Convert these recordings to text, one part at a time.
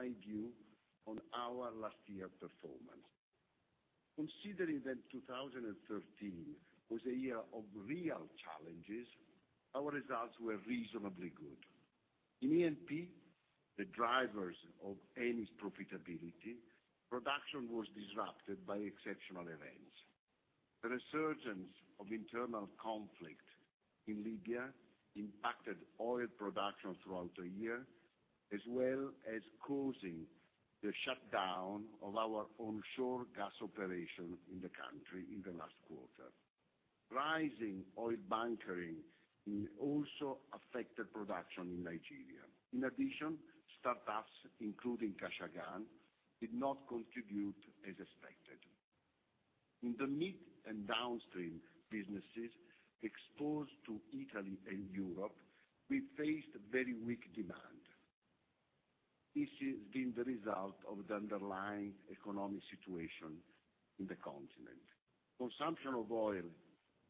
Give you my view on our last year performance. Considering that 2013 was a year of real challenges, our results were reasonably good. In E&P, the drivers of Eni's profitability, production was disrupted by exceptional events. The resurgence of internal conflict in Libya impacted oil production throughout the year, as well as causing the shutdown of our onshore gas operation in the country in the last quarter. Rising oil bunkering also affected production in Nigeria. In addition, startups, including Kashagan, did not contribute as expected. In the mid and downstream businesses exposed to Italy and Europe, we faced very weak demand. This has been the result of the underlying economic situation in the continent. Consumption of oil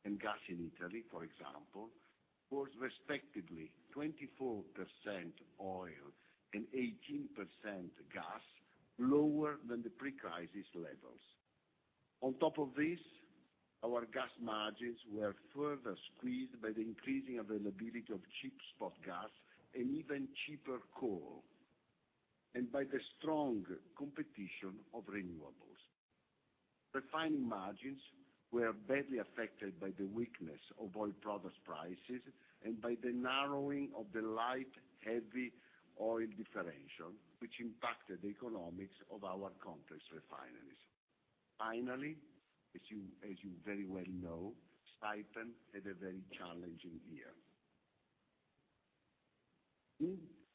and gas in Italy, for example, was respectively 24% oil and 18% gas, lower than the pre-crisis levels. On top of this, our gas margins were further squeezed by the increasing availability of cheap spot gas and even cheaper coal, and by the strong competition of renewables. Refining margins were badly affected by the weakness of oil product prices and by the narrowing of the light, heavy oil differential, which impacted the economics of our complex refineries. Finally, as you very well know, Saipem had a very challenging year.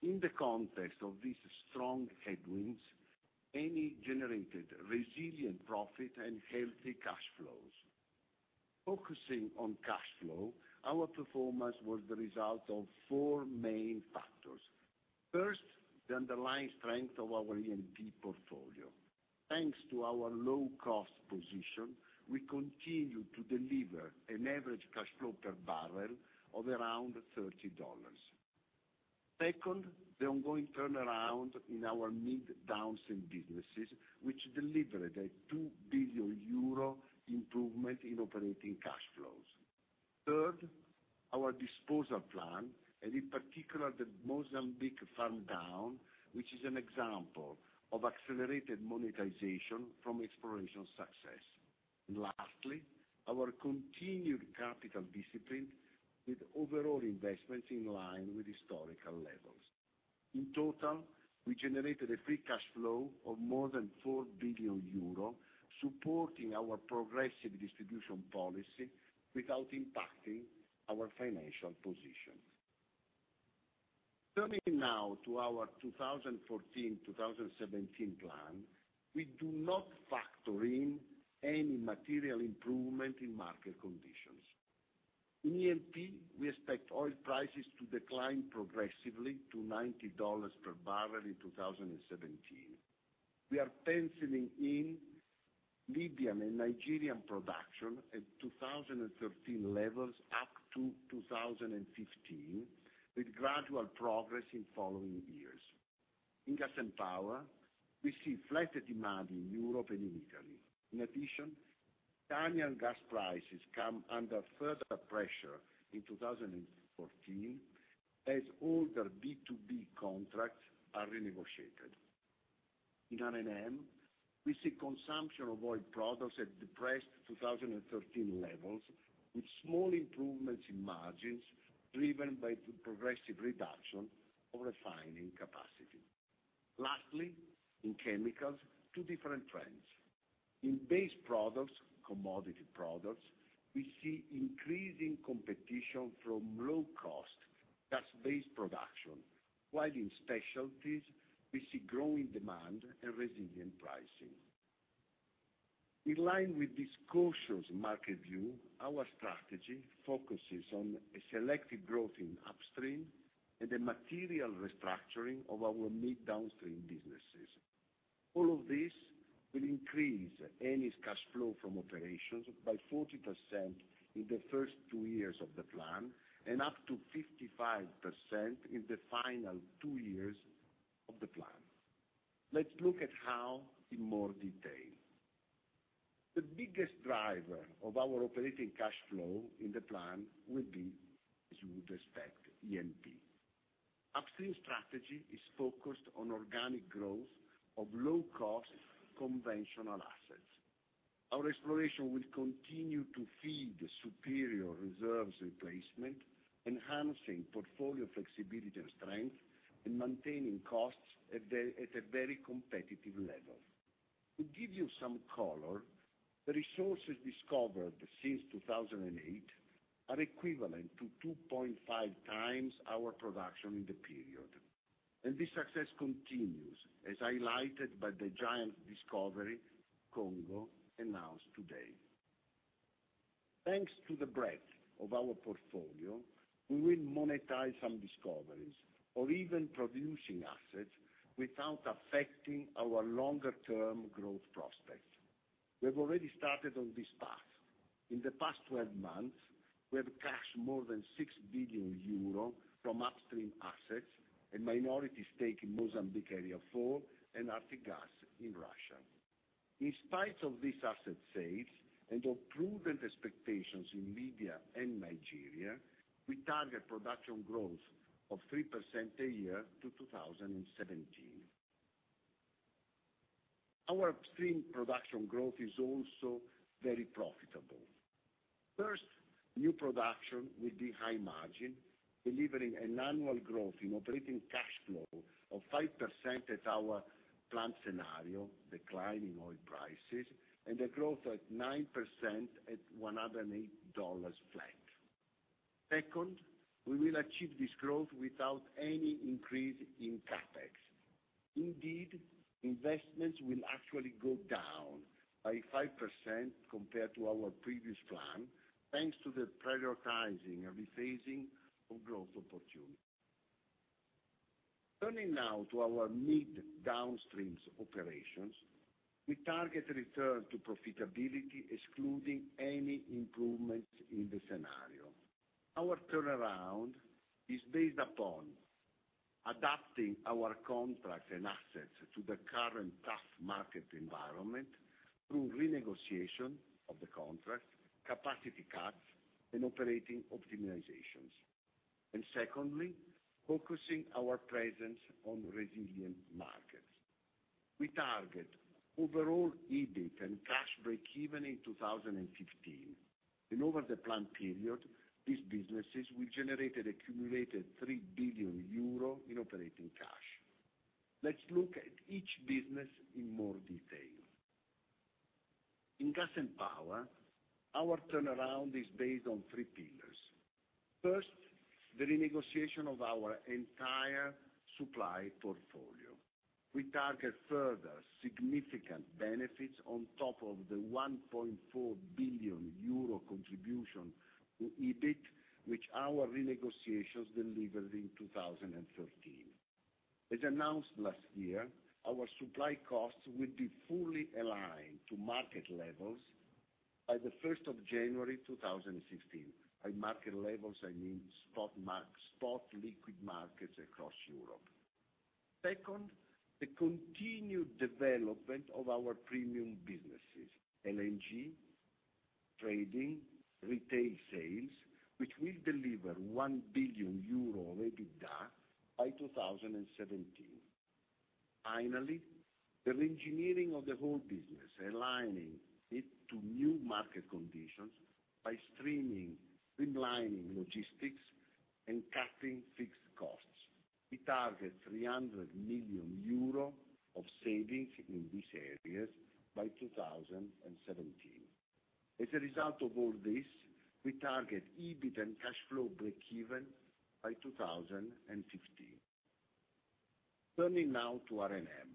In the context of these strong headwinds, Eni generated resilient profit and healthy cash flows. Focusing on cash flow, our performance was the result of four main factors. First, the underlying strength of our E&P portfolio. Thanks to our low-cost position, we continue to deliver an average cash flow per barrel of around $30. Second, the ongoing turnaround in our mid downstream businesses, which delivered a 2 billion euro improvement in operating cash flows. Third, our disposal plan, and in particular the Mozambique farm down, which is an example of accelerated monetization from exploration success. Lastly, our continued capital discipline with overall investments in line with historical levels. In total, we generated a free cash flow of more than 4 billion euro, supporting our progressive distribution policy without impacting our financial position. Turning now to our 2014-2017 plan, we do not factor in any material improvement in market conditions. In E&P, we expect oil prices to decline progressively to $90 per barrel in 2017. We are penciling in Libyan and Nigerian production at 2013 levels up to 2015, with gradual progress in following years. In gas and power, we see flat demand in Europe and in Italy. In addition, Italian gas prices come under further pressure in 2014 as older B2B contracts are renegotiated. In R&M, we see consumption of oil products at depressed 2013 levels, with small improvements in margins driven by the progressive reduction of refining capacity. Lastly, in chemicals, two different trends. In base products, commodity products, we see increasing competition from low-cost gas-based production, while in specialties, we see growing demand and resilient pricing. In line with this cautious market view, our strategy focuses on a selective growth in upstream and a material restructuring of our mid downstream businesses. All of this will increase Eni's cash flow from operations by 40% in the first two years of the plan and up to 55% in the final two years of the plan. Let's look at how in more detail. The biggest driver of our operating cash flow in the plan will be, as you would expect, E&P. Upstream strategy is focused on organic growth of low-cost conventional assets. Our exploration will continue to feed superior reserves replacement, enhancing portfolio flexibility and strength, and maintaining costs at a very competitive level. To give you some color, the resources discovered since 2008 are equivalent to 2.5 times our production in the period. This success continues, as highlighted by the giant discovery Congo announced today. Thanks to the breadth of our portfolio, we will monetize some discoveries of even producing assets without affecting our longer-term growth prospects. We have already started on this path. In the past 12 months, we have cashed more than 6 billion euro from upstream assets, a minority stake in Mozambique Area 4, and Arctic Russia. In spite of these asset sales, and of proven expectations in Libya and Nigeria, we target production growth of 3% a year to 2017. Our upstream production growth is also very profitable. First, new production will be high margin, delivering an annual growth in operating cash flow of 5% at our planned scenario, declining oil prices, and a growth at 9% at $108 flat. Second, we will achieve this growth without any increase in CapEx. Indeed, investments will actually go down by 5% compared to our previous plan, thanks to the prioritizing and rephasing of growth opportunities. Turning now to our mid-downstream operations, we target a return to profitability excluding any improvements in the scenario. Our turnaround is based upon adapting our contracts and assets to the current tough market environment through renegotiation of the contract, capacity cuts, and operating optimizations. Secondly, focusing our presence on resilient markets. We target overall EBIT and cash break-even in 2015, and over the plan period, these businesses will generate an accumulated 3 billion euro in operating cash. Let's look at each business in more detail. In gas and power, our turnaround is based on three pillars. First, the renegotiation of our entire supply portfolio. We target further significant benefits on top of the 1.4 billion euro contribution to EBIT, which our renegotiations delivered in 2013. As announced last year, our supply costs will be fully aligned to market levels by the 1st of January 2016. By market levels, I mean spot liquid markets across Europe. Second, the continued development of our premium businesses, LNG, trading, retail sales, which will deliver 1 billion euro EBITDA by 2017. Finally, the re-engineering of the whole business, aligning it to new market conditions by streamlining logistics and cutting fixed costs. We target 300 million euro of savings in these areas by 2017. As a result of all this, we target EBIT and cash flow breakeven by 2015. Turning now to R&M.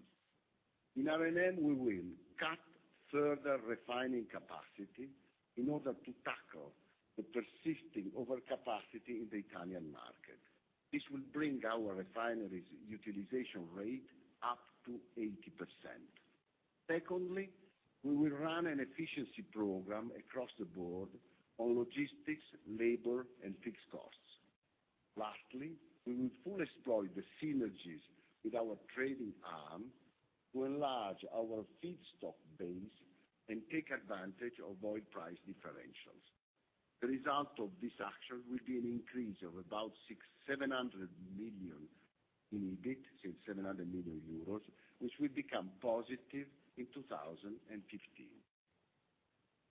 In R&M, we will cut further refining capacity in order to tackle the persisting overcapacity in the Italian market. This will bring our refinery's utilization rate up to 80%. Secondly, we will run an efficiency program across the board on logistics, labor, and fixed costs. Lastly, we will fully exploit the synergies with our trading arm to enlarge our feedstock base and take advantage of oil price differentials. The result of this action will be an increase of about 700 million in EBIT, 700 million euros, which will become positive in 2015.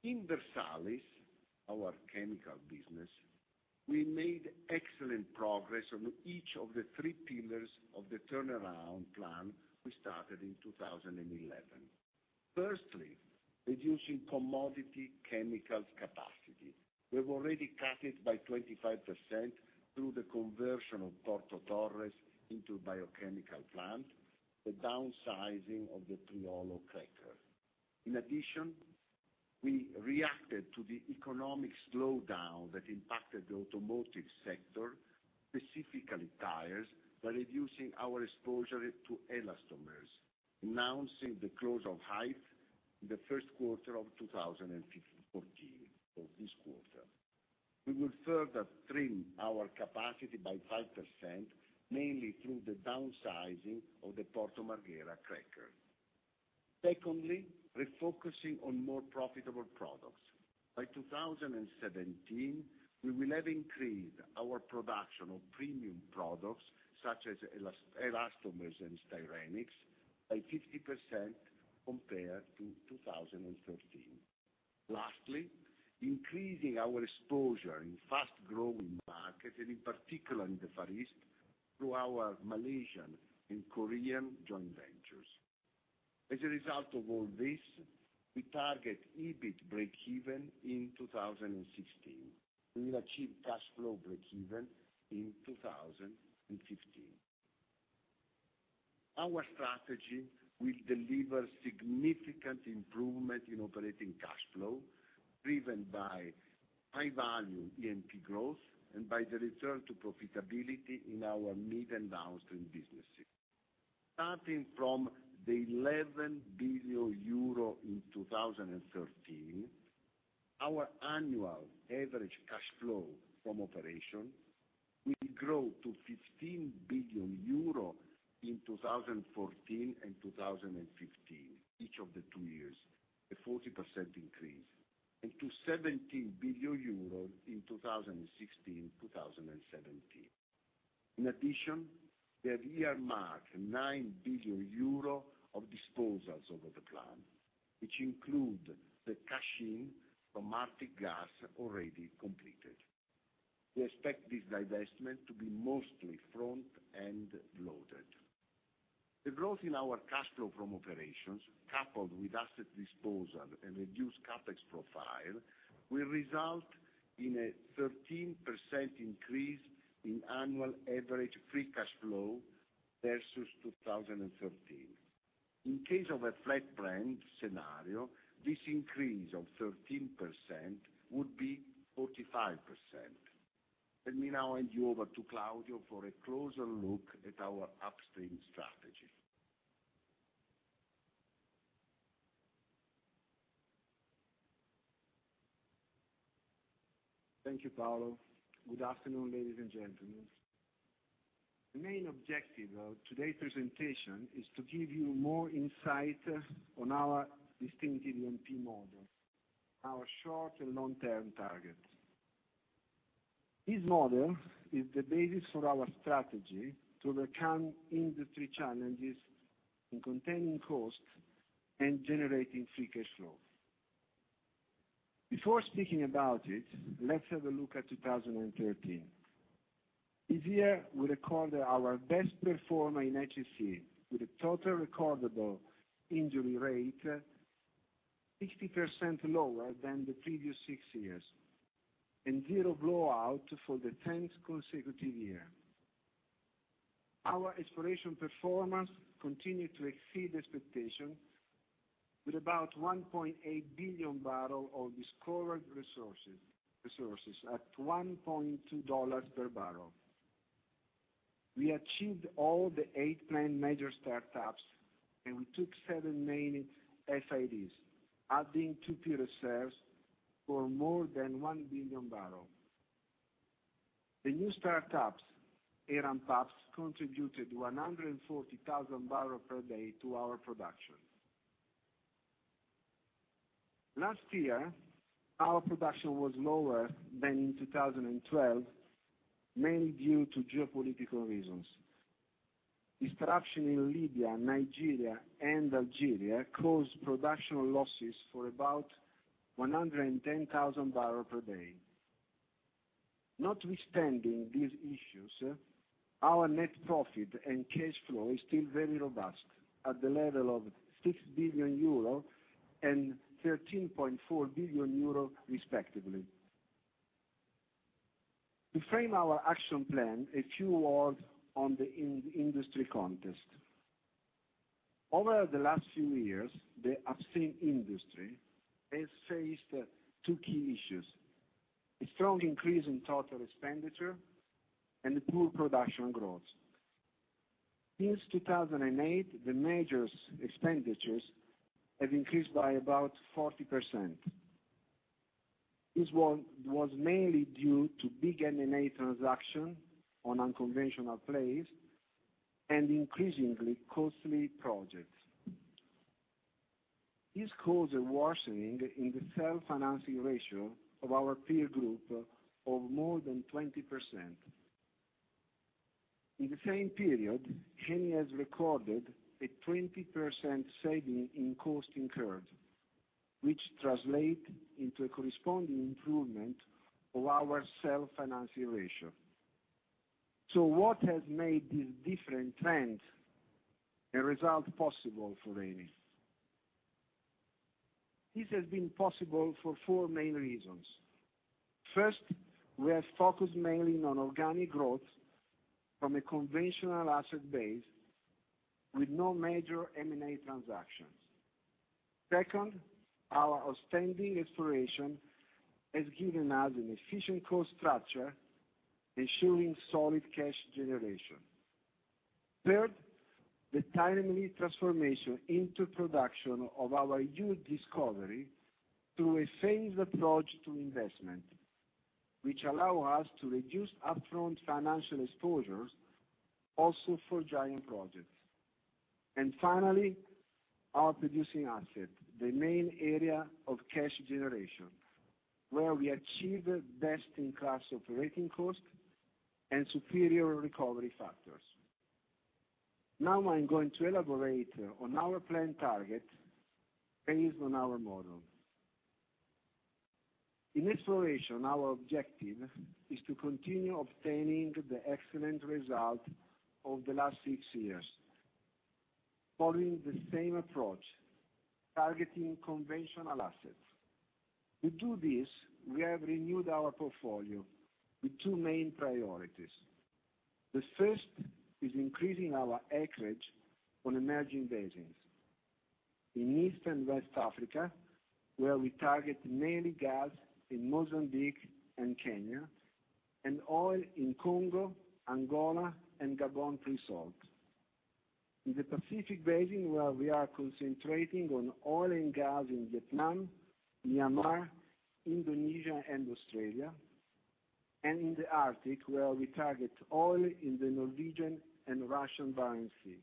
In Versalis, our chemical business, we made excellent progress on each of the three pillars of the turnaround plan we started in 2011. Firstly, reducing commodity chemicals capacity. We've already cut it by 25% through the conversion of Porto Torres into biochemical plant, the downsizing of the Priolo cracker. In addition, we reacted to the economic slowdown that impacted the automotive sector, specifically tires, by reducing our exposure to elastomers, announcing the close of Hythe in the first quarter of 2014. We will further trim our capacity by 5%, mainly through the downsizing of the Porto Marghera cracker. Secondly, refocusing on more profitable products. By 2017, we will have increased our production of premium products, such as elastomers and styrenics, by 50% compared to 2013. Lastly, increasing our exposure in fast-growing markets, and in particular in the Far East, through our Malaysian and Korean joint ventures. As a result of all this, we target EBIT break-even in 2016. We will achieve cash flow break-even in 2015. Our strategy will deliver significant improvement in operating cash, driven by high-value E&P growth and by the return to profitability in our mid- and downstream businesses. Starting from the 11 billion euro in 2013, our annual average cash flow from operation will grow to 15 billion euro in 2014 and 2015, each of the two years, a 40% increase, and to 17 billion euros in 2016-2017. In addition, we have earmarked 9 billion euro of disposals over the plan, which include the cash-in from Arctic gas already completed. We expect this divestment to be mostly front-end loaded. The growth in our cash flow from operations, coupled with asset disposal and reduced CapEx profile, will result in a 13% increase in annual average free cash flow versus 2013. In case of a flat-plan scenario, this increase of 13% would be 45%. Let me now hand you over to Claudio for a closer look at our upstream strategy. Thank you, Paolo. Good afternoon, ladies and gentlemen. The main objective of today's presentation is to give you more insight on our distinctive E&P model, our short and long-term targets. This model is the basis for our strategy to overcome industry challenges in containing costs and generating free cash flow. Before speaking about it, let's have a look at 2013. This year, we recorded our best performer in HSE, with a total recordable injury rate 60% lower than the previous six years and zero blowout for the 10th consecutive year. Our exploration performance continued to exceed expectation with about 1.8 billion barrels of discovered resources at $1.2 per barrel. We achieved all the eight planned major startups, and we took seven main FIDs, adding to reserves for more than one billion barrels. The new startups, and ramp-ups, contributed 140,000 barrels per day to our production. Last year, our production was lower than in 2012, mainly due to geopolitical reasons. Disruption in Libya, Nigeria, and Algeria caused production losses for about 110,000 barrels per day. Notwithstanding these issues, our net profit and cash flow is still very robust at the level of 6 billion euro and 13.4 billion euro respectively. To frame our action plan, a few words on the industry context. Over the last few years, the upstream industry has faced two key issues, a strong increase in total expenditure and a poor production growth. Since 2008, the majors' expenditures have increased by about 40%. This was mainly due to big M&A transactions on unconventional plays and increasingly costly projects. This caused a worsening in the self-financing ratio of our peer group of more than 20%. In the same period, Eni has recorded a 20% saving in cost incurred, which translate into a corresponding improvement of our self-financing ratio. What has made this different trend a result possible for Eni? This has been possible for four main reasons. First, we have focused mainly on organic growth from a conventional asset base with no major M&A transactions. Second, our outstanding exploration has given us an efficient cost structure, ensuring solid cash generation. Third, the timely transformation into production of our huge discovery through a phased approach to investment, which allow us to reduce upfront financial exposures also for giant projects. Finally, our producing asset, the main area of cash generation, where we achieved best-in-class operating cost and superior recovery factors. Now I'm going to elaborate on our planned target based on our model. In exploration, our objective is to continue obtaining the excellent result of the last six years following the same approach, targeting conventional assets. To do this, we have renewed our portfolio with two main priorities. The first is increasing our acreage on emerging basins. In East and West Africa, where we target mainly gas in Mozambique and Kenya, and oil in Congo, Angola, and Gabon pre-salt. In the Pacific Basin, where we are concentrating on oil and gas in Vietnam, Myanmar, Indonesia, and Australia, and in the Arctic, where we target oil in the Norwegian and Russian Barents Sea.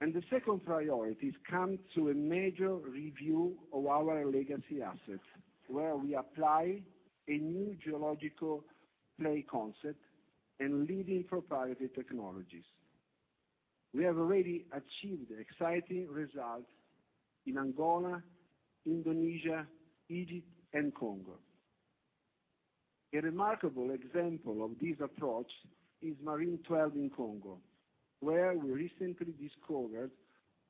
The second priority comes through a major review of our legacy assets, where we apply a new geological play concept and leading proprietary technologies. We have already achieved exciting results in Angola, Indonesia, Egypt, and Congo. A remarkable example of this approach is Marine XII in Congo, where we recently discovered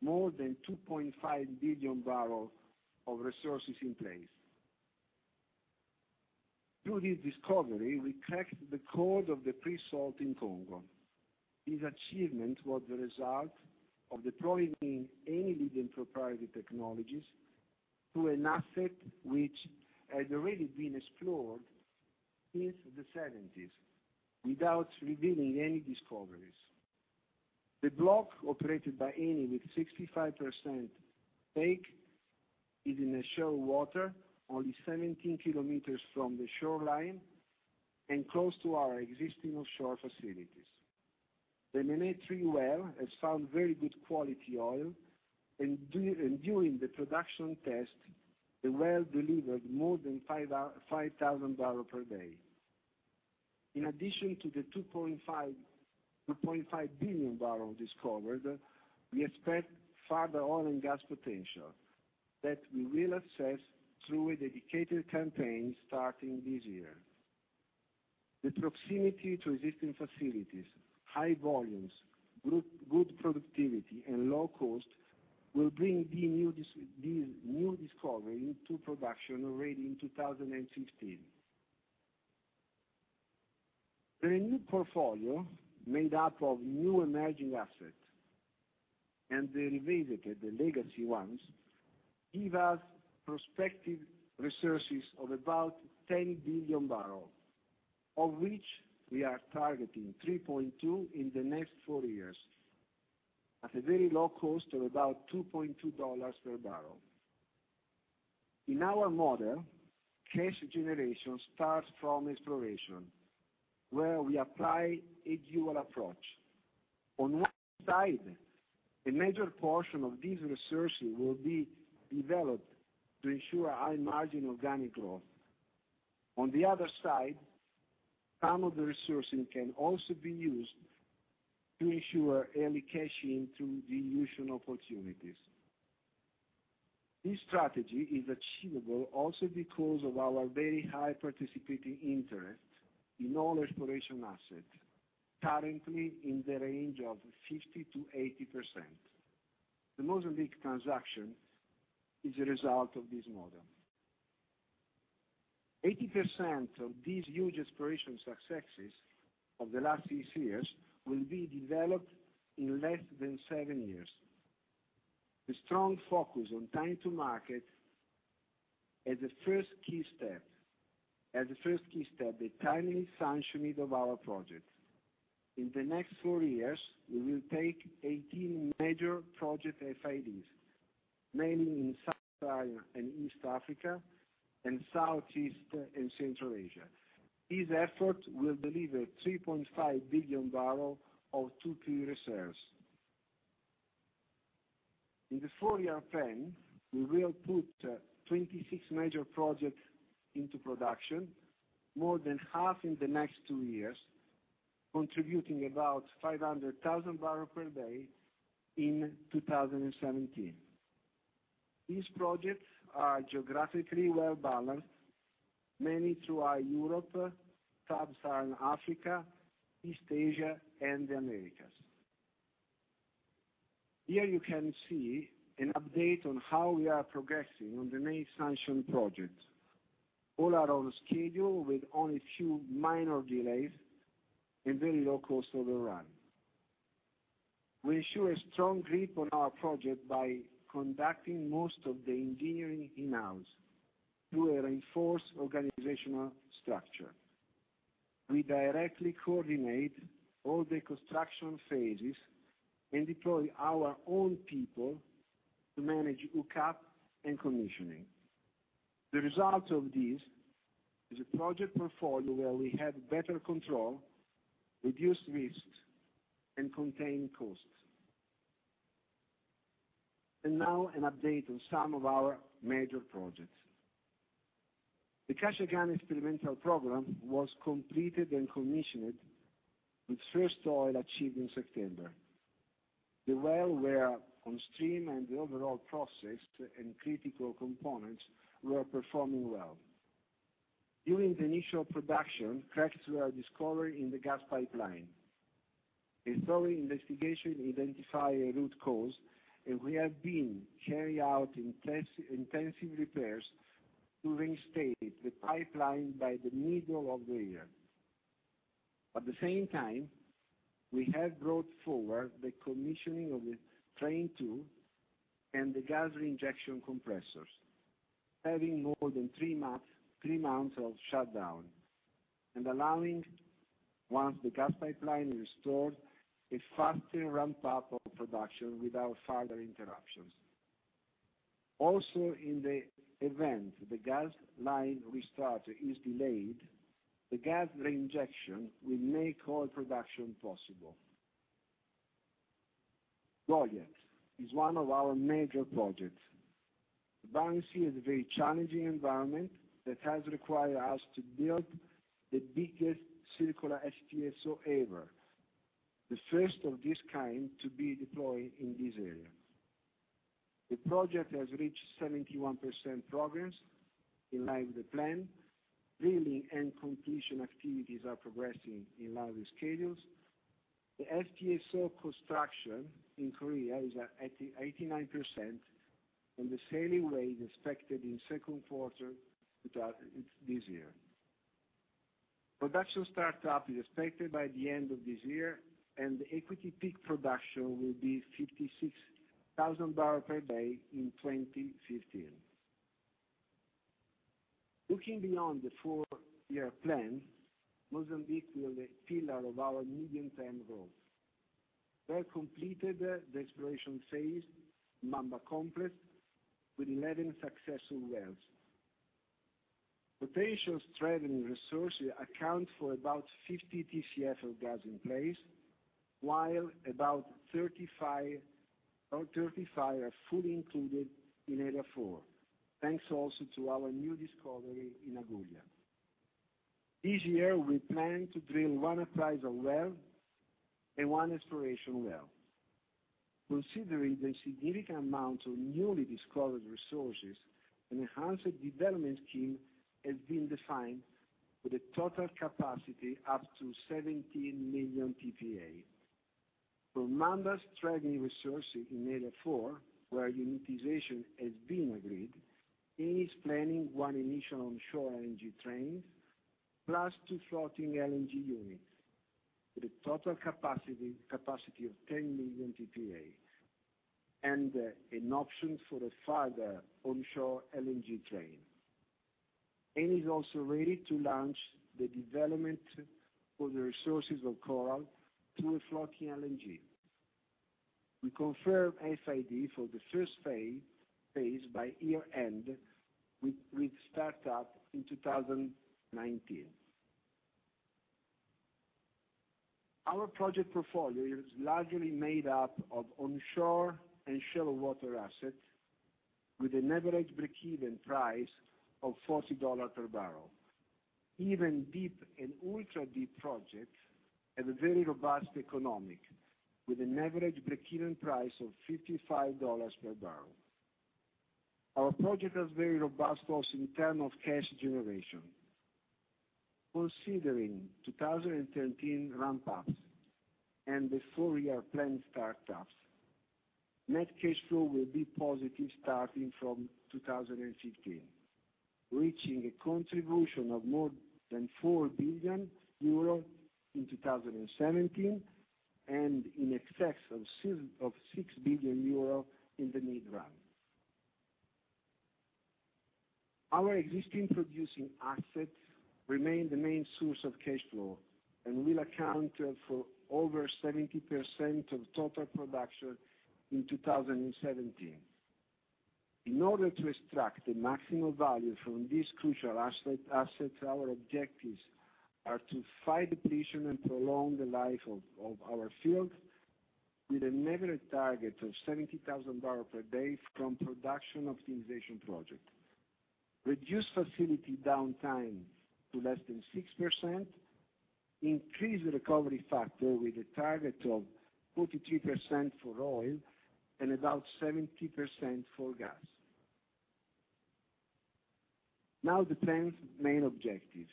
more than 2.5 billion barrels of resources in place. Through this discovery, we cracked the code of the pre-salt in Congo. This achievement was the result of deploying Eni leading proprietary technologies to an asset which had already been explored since the 1970s without revealing any discoveries. The block operated by Eni, with 65% stake, is in the shallow water, only 17 km from the shoreline, and close to our existing offshore facilities. The Nene Marine 3 well has found very good quality oil, and during the production test, the well delivered more than 5,000 barrels per day. In addition to the 2.5 billion barrels discovered, we expect further oil and gas potential, that we will assess through a dedicated campaign starting this year. The proximity to existing facilities, high volumes, good productivity, and low cost will bring the new discovery to production already in 2016. Our new portfolio, made up of new emerging assets and the revisited legacy ones, give us prospective resources of about 10 billion barrels, of which we are targeting 3.2 in the next four years at a very low cost of about $2.20 per barrel. In our model, cash generation starts from exploration, where we apply a dual approach. On one side, a major portion of these resources will be developed to ensure high-margin organic growth. On the other side, some of the resources can also be used to ensure early cash in through dilution opportunities. This strategy is achievable also because of our very high participating interest in all exploration assets, currently in the range of 50%-80%. The Mozambique transaction is a result of this model. 80% of these huge exploration successes of the last six years will be developed in less than seven years. The strong focus on time to market as a first key step, the timely sanctioning of our projects. In the next four years, we will take 18 major project FIDs, mainly in Sub-Saharan and East Africa, and Southeast and Central Asia. This effort will deliver 3.5 billion barrels of 2P reserves. In the four-year plan, we will put 26 major projects into production, more than half in the next two years, contributing about 500,000 barrels per day in 2017. These projects are geographically well-balanced, mainly throughout Europe, Sub-Saharan Africa, East Asia, and the Americas. Here you can see an update on how we are progressing on the main sanction projects. All are on schedule with only a few minor delays and very low cost overrun. We ensure a strong grip on our project by conducting most of the engineering in-house through a reinforced organizational structure. We directly coordinate all the construction phases and deploy our own people to manage hookup and commissioning. The result of this is a project portfolio where we have better control, reduced risks, and contained costs. Now an update on some of our major projects. The Kashagan experimental program was completed and commissioned, with first oil achieved in September. The well was on stream, and the overall process and critical components were performing well. During the initial production, cracks were discovered in the gas pipeline. A thorough investigation identified a root cause, and we have been carrying out intensive repairs to reinstate the pipeline by the middle of the year. At the same time, we have brought forward the commissioning of the Train 2 and the gas reinjection compressors, having more than three months of shutdown. Allowing, once the gas pipeline is restored, a faster ramp-up of production without further interruptions. In the event the gas line restart is delayed, the gas reinjection will make oil production possible. Goliat is one of our major projects. The Barents Sea is a very challenging environment that has required us to build the biggest circular FPSO ever, the first of this kind to be deployed in this area. The project has reached 71% progress, in line with the plan. Drilling and completion activities are progressing in line with schedules. The FPSO construction in Korea is at 89%, and the sailaway is expected in second quarter this year. Production startup is expected by the end of this year, and the equity peak production will be 56,000 barrels per day in 2015. Looking beyond the four-year plan, Mozambique will be a pillar of our medium-term growth. We have completed the exploration phase, Mamba complex, with 11 successful wells. Potential stranded resources account for about 50 Tcf of gas in place, while about 35 are fully included in Area 4, thanks also to our new discovery in Agulha. This year, we plan to drill one appraisal well and one exploration well. Considering the significant amount of newly discovered resources, an enhanced development scheme has been defined with a total capacity up to 17 million tpa. For Mamba's stranded resources in Area 4, where unitization has been agreed, Eni is planning one initial onshore LNG train, plus two floating LNG units with a total capacity of 10 million tpa, and an option for a further onshore LNG train. Eni is also ready to launch the development of the resources of Coral through a floating LNG. We confirm FID for the first phase by year-end, with startup in 2019. Our project portfolio is largely made up of onshore and shallow water assets with an average breakeven price of $40 per barrel. Even deep and ultra-deep projects have a very robust economic, with an average breakeven price of $55 per barrel. Our project has very robust also in term of cash generation. Considering 2013 ramp-ups and the four-year plan startups, net cash flow will be positive starting from 2015, reaching a contribution of more than 4 billion euros in 2017 and in excess of 6 billion euro in the mid-run. Our existing producing assets remain the main source of cash flow and will account for over 70% of total production in 2017. In order to extract the maximum value from this crucial assets, our objectives are to fight depletion and prolong the life of our fields with an average target of 70,000 barrel per day from production optimization project, reduce facility downtime to less than 6%, increase recovery factor with a target of 43% for oil and about 70% for gas. Now the 10th main objective.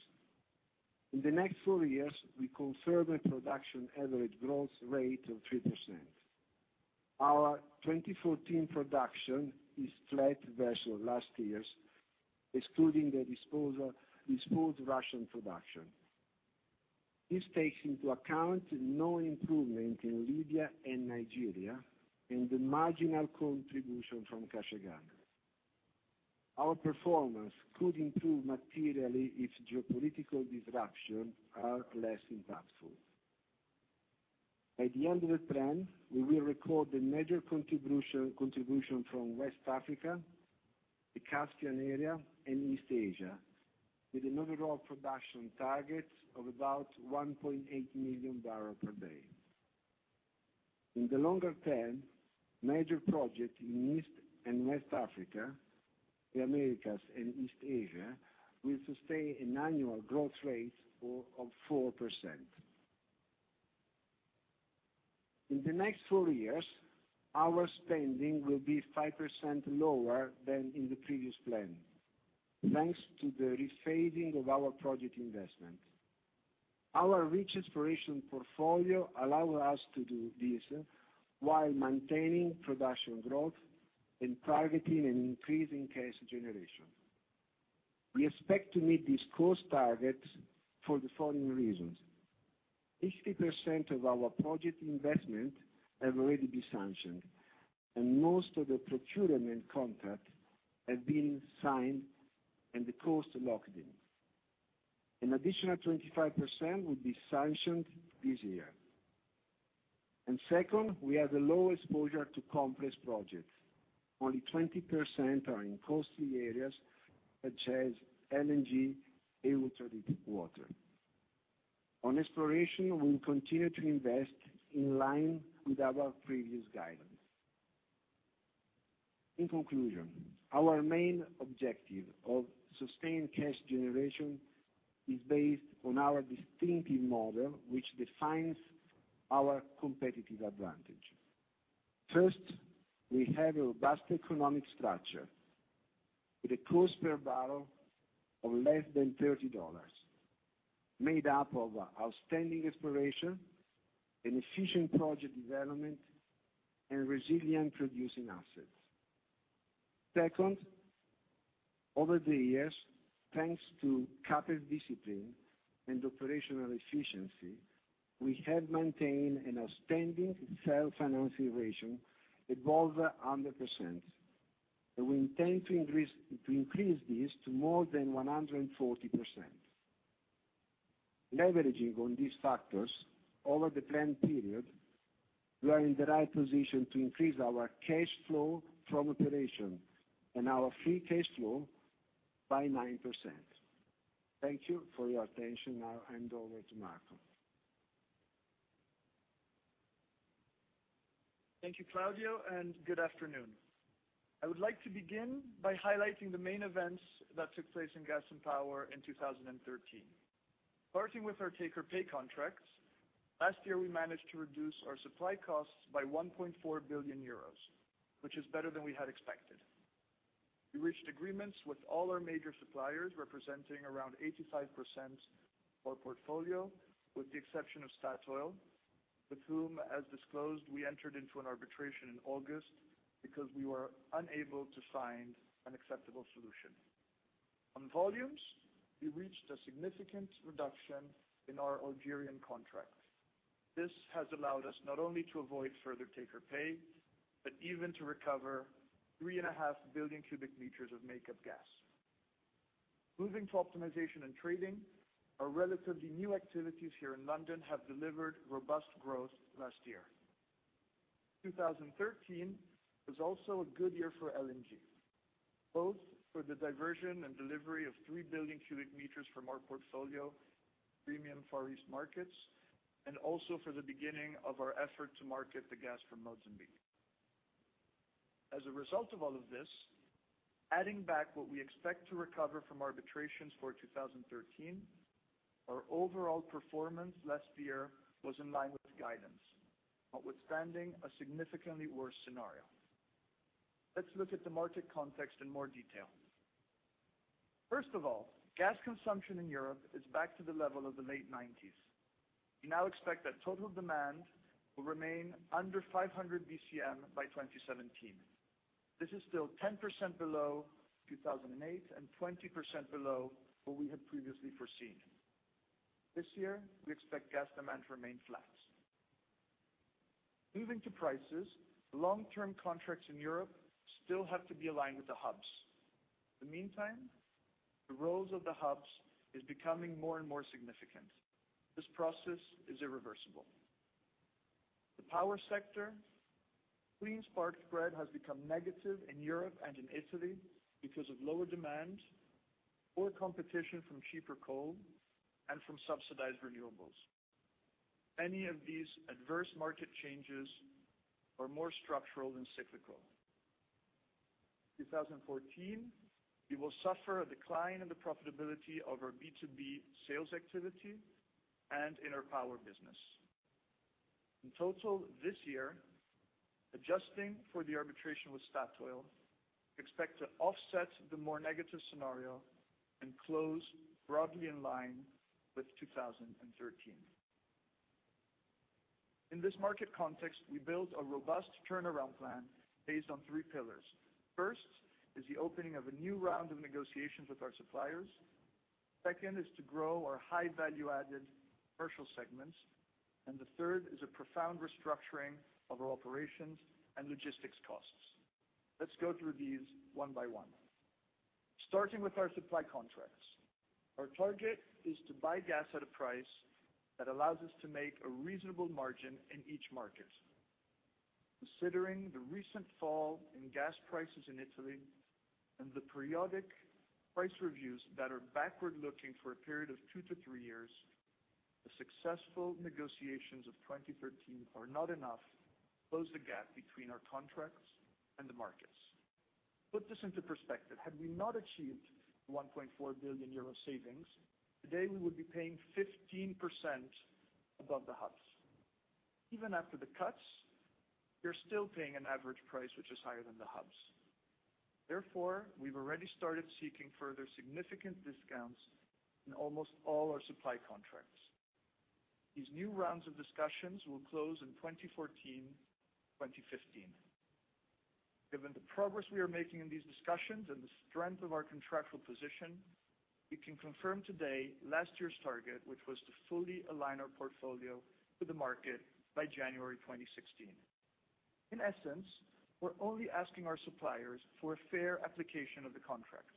In the next four years, we confirm a production average growth rate of 3%. Our 2014 production is flat versus last year's, excluding the disposed Russian production. This takes into account no improvement in Libya and Nigeria and the marginal contribution from Kashagan. Our performance could improve materially if geopolitical disruption are less impactful. By the end of the plan, we will record a major contribution from West Africa, the Caspian area, and East Asia, with an overall production target of about 1.8 million barrel per day. In the longer term, major project in East and West Africa, the Americas, and East Asia will sustain an annual growth rate of 4%. In the next four years, our spending will be 5% lower than in the previous plan. Thanks to the rephasing of our project investment. Our rich exploration portfolio allow us to do this while maintaining production growth and targeting an increase in cash generation. We expect to meet these cost targets for the following reasons. 80% of our project investment have already been sanctioned, and most of the procurement contract have been signed and the cost locked in. An additional 25% will be sanctioned this year. Second, we have the lowest exposure to complex projects. Only 20% are in costly areas, such as LNG and ultra-deep water. On exploration, we will continue to invest in line with our previous guidance. In conclusion, our main objective of sustained cash generation is based on our distinctive model, which defines our competitive advantage. First, we have a robust economic structure with a cost per barrel of less than $30, made up of outstanding exploration and efficient project development and resilient producing assets. Second, over the years, thanks to capital discipline and operational efficiency, we have maintained an outstanding self-financing ratio above 100%. We intend to increase this to more than 140%. Leveraging on these factors over the plan period, we are in the right position to increase our cash flow from operation and our free cash flow by 9%. Thank you for your attention. Now I hand over to Marco. Thank you, Claudio, and good afternoon. I would like to begin by highlighting the main events that took place in gas and power in 2013. Starting with our take-or-pay contracts, last year, we managed to reduce our supply costs by 1.4 billion euros, which is better than we had expected. We reached agreements with all our major suppliers, representing around 85% of our portfolio, with the exception of Statoil, with whom, as disclosed, we entered into an arbitration in August because we were unable to find an acceptable solution. On volumes, we reached a significant reduction in our Algerian contracts. This has allowed us not only to avoid further take-or-pay, but even to recover 3.5 billion cubic meters of make-up gas. Moving to optimization and trading, our relatively new activities here in London have delivered robust growth last year. 2013 was also a good year for LNG, both for the diversion and delivery of 3 billion cubic meters from our portfolio, premium Far East markets, and also for the beginning of our effort to market the gas from Mozambique. As a result of all of this, adding back what we expect to recover from arbitrations for 2013, our overall performance last year was in line with guidance, notwithstanding a significantly worse scenario. Let's look at the market context in more detail. First of all, gas consumption in Europe is back to the level of the late '90s. We now expect that total demand will remain under 500 BCM by 2017. This is still 10% below 2008 and 20% below what we had previously foreseen. This year, we expect gas demand to remain flat. Moving to prices, long-term contracts in Europe still have to be aligned with the hubs. In the meantime, the roles of the hubs is becoming more and more significant. This process is irreversible. The power sector clean spark spread has become negative in Europe and in Italy because of lower demand or competition from cheaper coal and from subsidized renewables. Any of these adverse market changes are more structural than cyclical. 2014, we will suffer a decline in the profitability of our B2B sales activity and in our power business. In total, this year, adjusting for the arbitration with Statoil, expect to offset the more negative scenario and close broadly in line with 2013. In this market context, we built a robust turnaround plan based on three pillars. First is the opening of a new round of negotiations with our suppliers. Second is to grow our high value-added commercial segments, the third is a profound restructuring of our operations and logistics costs. Let's go through these one by one. Starting with our supply contracts. Our target is to buy gas at a price that allows us to make a reasonable margin in each market. Considering the recent fall in gas prices in Italy and the periodic price reviews that are backward-looking for a period of two to three years, the successful negotiations of 2013 are not enough to close the gap between our contracts and the markets. Put this into perspective. Had we not achieved the 1.4 billion euro savings, today we would be paying 15% above the hubs. Even after the cuts, we are still paying an average price, which is higher than the hubs. We've already started seeking further significant discounts in almost all our supply contracts. These new rounds of discussions will close in 2014, 2015. Given the progress we are making in these discussions and the strength of our contractual position, we can confirm today last year's target, which was to fully align our portfolio with the market by January 2016. In essence, we're only asking our suppliers for a fair application of the contracts.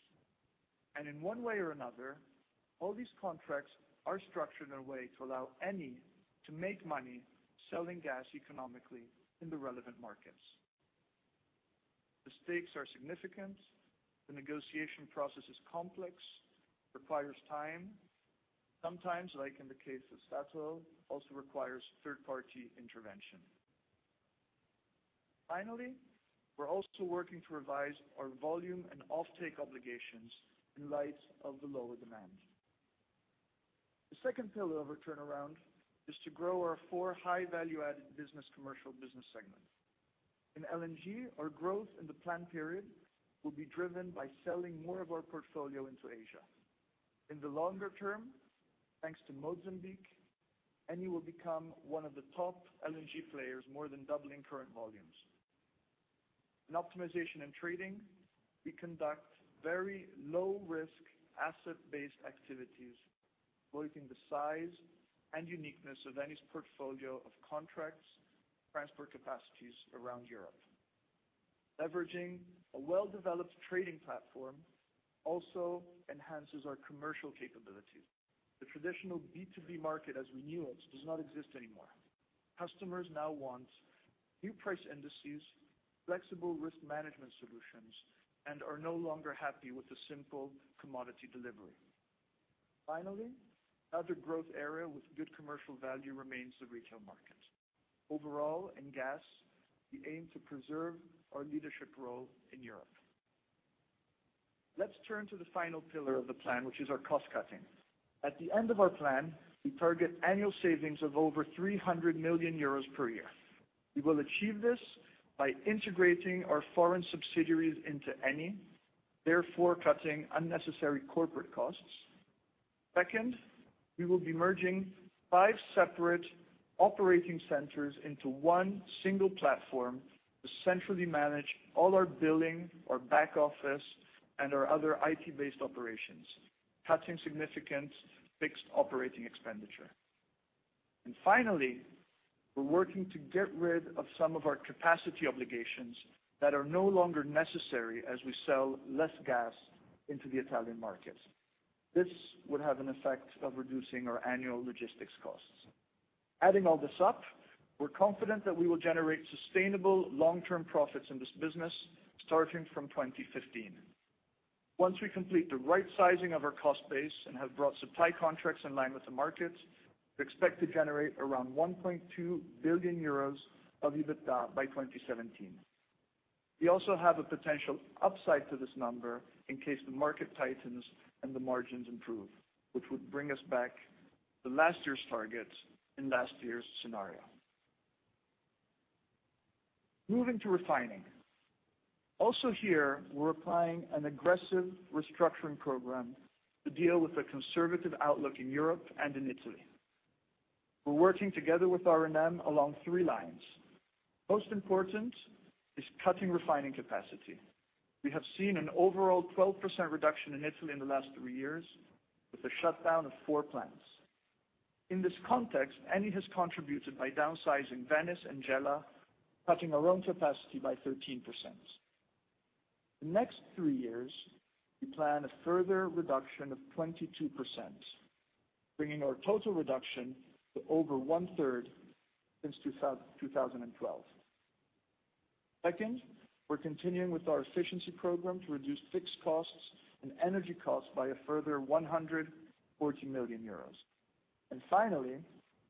In one way or another, all these contracts are structured in a way to allow Eni to make money selling gas economically in the relevant markets. The stakes are significant. The negotiation process is complex, requires time. Sometimes, like in the case of Statoil, also requires third-party intervention. Finally, we're also working to revise our volume and off-take obligations in light of the lower demand. The second pillar of our turnaround is to grow our four high value-added business commercial business segment. In LNG, our growth in the plan period will be driven by selling more of our portfolio into Asia. In the longer term, thanks to Mozambique, Eni will become one of the top LNG players, more than doubling current volumes. In optimization and trading, we conduct very low-risk, asset-based activities, leveraging the size and uniqueness of Eni's portfolio of contracts, transport capacities around Europe. Leveraging a well-developed trading platform also enhances our commercial capabilities. The traditional B2B market as we knew it does not exist anymore. Customers now want new price indices, flexible risk management solutions, and are no longer happy with the simple commodity delivery. Finally, other growth area with good commercial value remains the retail market. Overall, in gas, we aim to preserve our leadership role in Europe. Let's turn to the final pillar of the plan, which is our cost-cutting. At the end of our plan, we target annual savings of over 300 million euros per year. We will achieve this by integrating our foreign subsidiaries into Eni, therefore cutting unnecessary corporate costs. Second, we will be merging five separate operating centers into one single platform to centrally manage all our billing, our back office, and our other IT-based operations, cutting significant fixed operating expenditure. Finally, we're working to get rid of some of our capacity obligations that are no longer necessary as we sell less gas into the Italian market. This would have an effect of reducing our annual logistics costs. Adding all this up, we're confident that we will generate sustainable long-term profits in this business starting from 2015. Once we complete the right-sizing of our cost base and have brought supply contracts in line with the markets, we expect to generate around 1.2 billion euros of EBITDA by 2017. We also have a potential upside to this number in case the market tightens and the margins improve, which would bring us back to last year's targets in last year's scenario. Moving to Refining. Also here, we're applying an aggressive restructuring program to deal with the conservative outlook in Europe and in Italy. We're working together with R&M along three lines. Most important is cutting refining capacity. We have seen an overall 12% reduction in Italy in the last three years with the shutdown of four plants. In this context, Eni has contributed by downsizing Venice and Gela, cutting our own capacity by 13%. The next three years, we plan a further reduction of 22%, bringing our total reduction to over one-third since 2012. Second, we're continuing with our efficiency program to reduce fixed costs and energy costs by a further 140 million euros. Finally,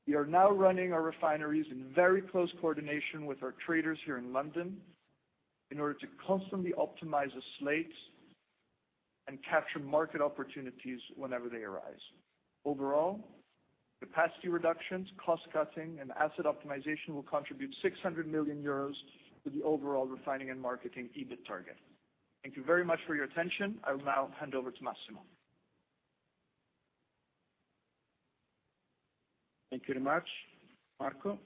we are now running our refineries in very close coordination with our traders here in London in order to constantly optimize the slates and capture market opportunities whenever they arise. Overall, capacity reductions, cost-cutting, and asset optimization will contribute 600 million euros to the overall Refining and Marketing EBIT target. Thank you very much for your attention. I will now hand over to Massimo. Thank you very much, Marco.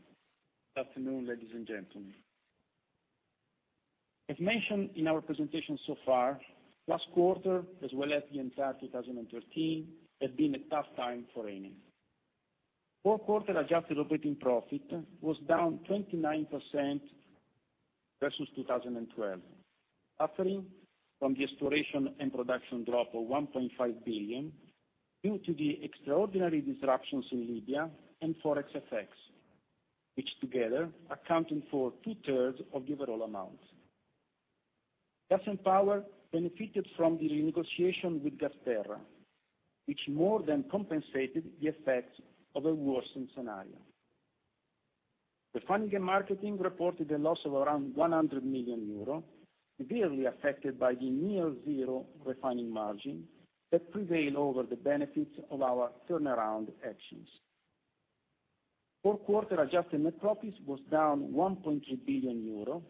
Good afternoon, ladies and gentlemen. As mentioned in our presentation so far, last quarter, as well as the entire 2013, had been a tough time for Eni. Fourth quarter adjusted operating profit was down 29% versus 2012, suffering from the exploration and production drop of 1.5 billion due to the extraordinary disruptions in Libya and Forex effects, which together accounted for two-thirds of the overall amount. Gas and Power benefited from the renegotiation with Gazprom, which more than compensated the effects of a worsening scenario. Refining and Marketing reported a loss of around 100 million euro. Clearly affected by the near zero refining margin that prevail over the benefits of our turnaround actions. Fourth quarter adjusted net profits was down 1.3 billion euro,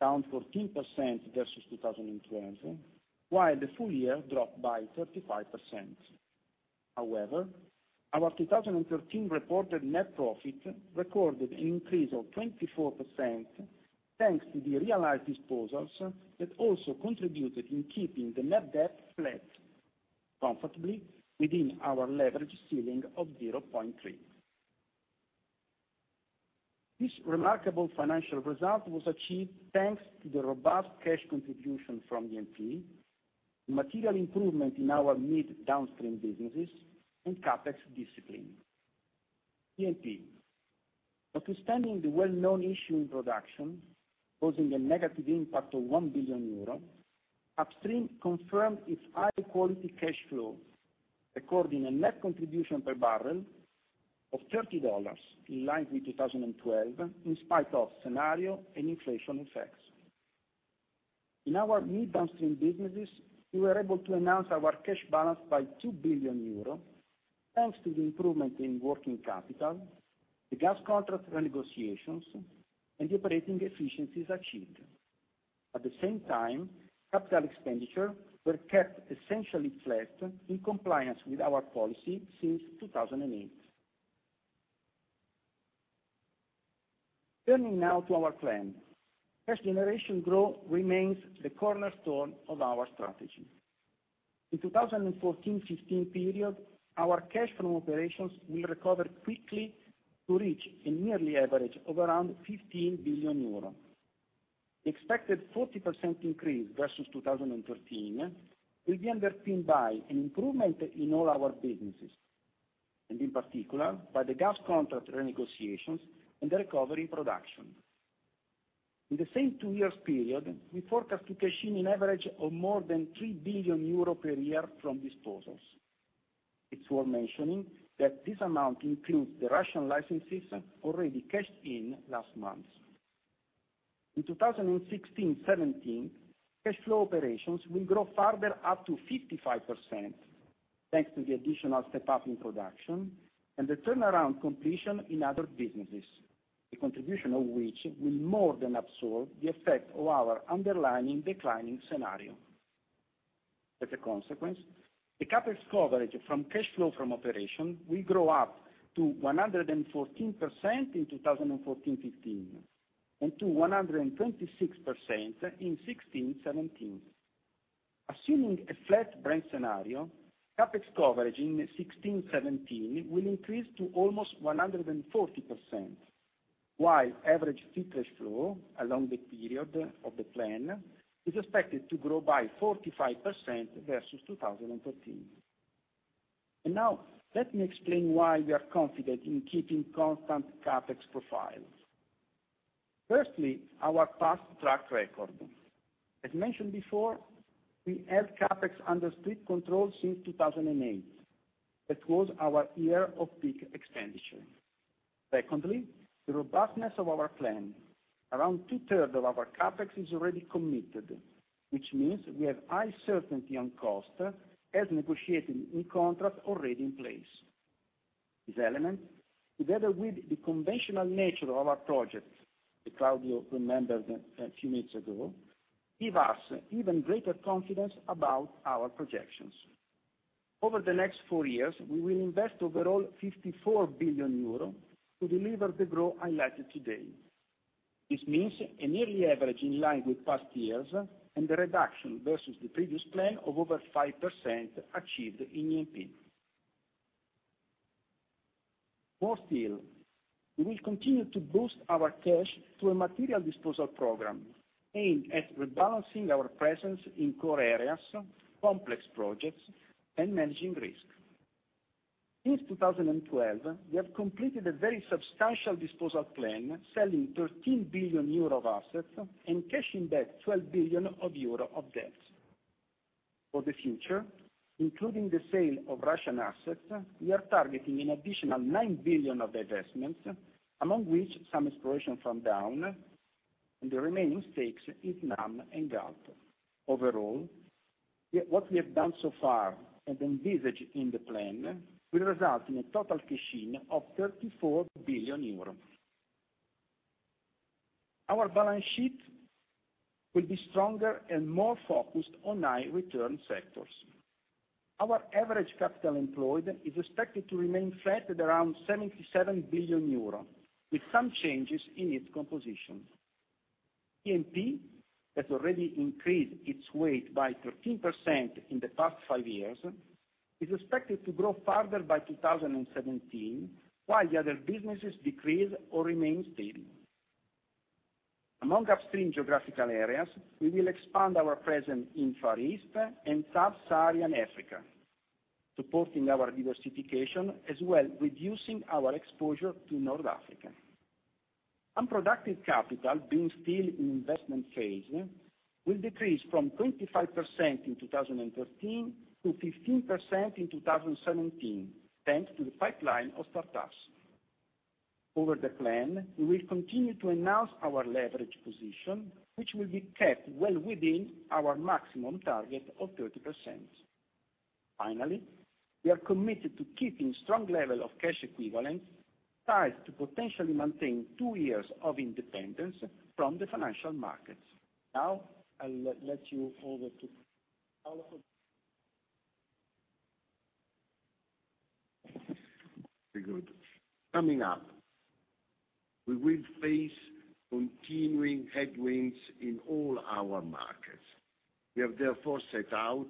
down 14% versus 2012, while the full year dropped by 35%. Our 2013 reported net profit recorded an increase of 24%, thanks to the realized disposals that also contributed in keeping the net debt flat comfortably within our leverage ceiling of 0.3. This remarkable financial result was achieved thanks to the robust cash contribution from the E&P, the material improvement in our midstream/downstream businesses, and CapEx discipline. E&P. Notwithstanding the well-known issue in production, causing a negative impact of 1 billion euro, upstream confirmed its high-quality cash flow, recording a net contribution per barrel of $30 in line with 2012, in spite of scenario and inflation effects. In our mid/downstream businesses, we were able to enhance our cash balance by 2 billion euros thanks to the improvement in working capital, the gas contract renegotiations, and the operating efficiencies achieved. At the same time, capital expenditure were kept essentially flat in compliance with our policy since 2008. Turning now to our plan. Cash generation growth remains the cornerstone of our strategy. In 2014-2015 period, our cash from operations will recover quickly to reach a yearly average of around 15 billion euro. The expected 40% increase versus 2013 will be underpinned by an improvement in all our businesses, and in particular, by the gas contract renegotiations and the recovery production. In the same two years period, we forecast to cash in an average of more than 3 billion euro per year from disposals. It is worth mentioning that this amount includes the Russian licenses already cashed in last month. In 2016-2017, cash flow operations will grow further up to 55%, thanks to the additional step-up in production and the turnaround completion in other businesses, the contribution of which will more than absorb the effect of our underlying declining scenario. As a consequence, the CapEx coverage from cash flow from operation will grow up to 114% in 2014-2015, and to 126% in 2016-2017. Assuming a flat Brent scenario, CapEx coverage in 2016-2017 will increase to almost 140%, while average free cash flow along the period of the plan is expected to grow by 45% versus 2013. Now, let me explain why we are confident in keeping constant CapEx profiles. Firstly, our past track record. As mentioned before, we held CapEx under strict control since 2008. That was our year of peak expenditure. Secondly, the robustness of our plan. Around two-thirds of our CapEx is already committed, which means we have high certainty on cost as negotiated in contract already in place. These elements, together with the conventional nature of our projects, that Claudio remembered a few minutes ago, give us even greater confidence about our projections. Over the next four years, we will invest overall 54 billion euro to deliver the growth highlighted today. This means a yearly average in line with past years, and a reduction versus the previous plan of over 5% achieved in E&P. More still, we will continue to boost our cash through a material disposal program aimed at rebalancing our presence in core areas, complex projects, and managing risk. Since 2012, we have completed a very substantial disposal plan, selling 13 billion euro of assets and cashing back 12 billion euro of debts. For the future, including the sale of Russian assets, we are targeting an additional 9 billion of divestments, among which some exploration farm-down, and the remaining stakes in Snam and GALP. Overall, what we have done so far and envisage in the plan will result in a total cash-in of 34 billion euros. Our balance sheet will be stronger and more focused on high-return sectors. Our average capital employed is expected to remain flat at around 77 billion euro, with some changes in its composition. E&P, that has already increased its weight by 13% in the past five years, is expected to grow further by 2017, while the other businesses decrease or remain steady. Among upstream geographical areas, we will expand our presence in Far East and Sub-Saharan Africa, supporting our diversification, as well reducing our exposure to North Africa. Unproductive capital being still in investment phase will decrease from 25% in 2013 to 15% in 2017, thanks to the pipeline of startups. Over the plan, we will continue to announce our leverage position, which will be kept well within our maximum target of 30%. Finally, we are committed to keeping strong level of cash equivalents, tied to potentially maintain two years of independence from the financial markets. I'll let you over to Paolo. Very good. We will face continuing headwinds in all our markets. We have therefore set out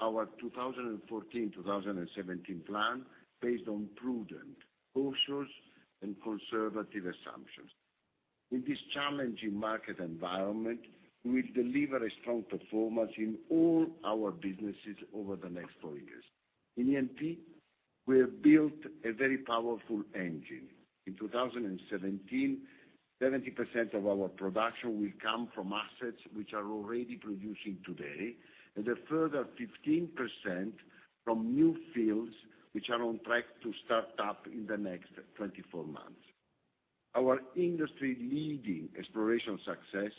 our 2014-2017 plan based on prudent, cautious, and conservative assumptions. In this challenging market environment, we will deliver a strong performance in all our businesses over the next four years. In Eni, we have built a very powerful engine. In 2017, 70% of our production will come from assets which are already producing today, and a further 15% from new fields which are on track to start up in the next 24 months. Our industry-leading exploration success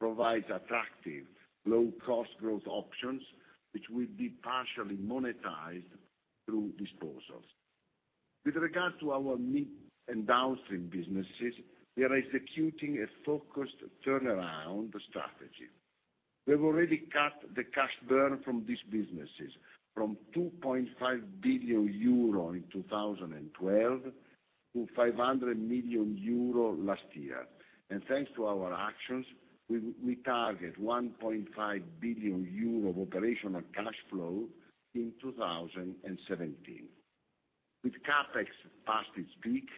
provides attractive low-cost growth options, which will be partially monetized through disposals. With regard to our midstream and downstream businesses, we are executing a focused turnaround strategy. We've already cut the cash burn from these businesses from 2.5 billion euro in 2012 to 500 million euro last year. Thanks to our actions, we target 1.5 billion euro of operational cash flow in 2017. With CapEx past its peak,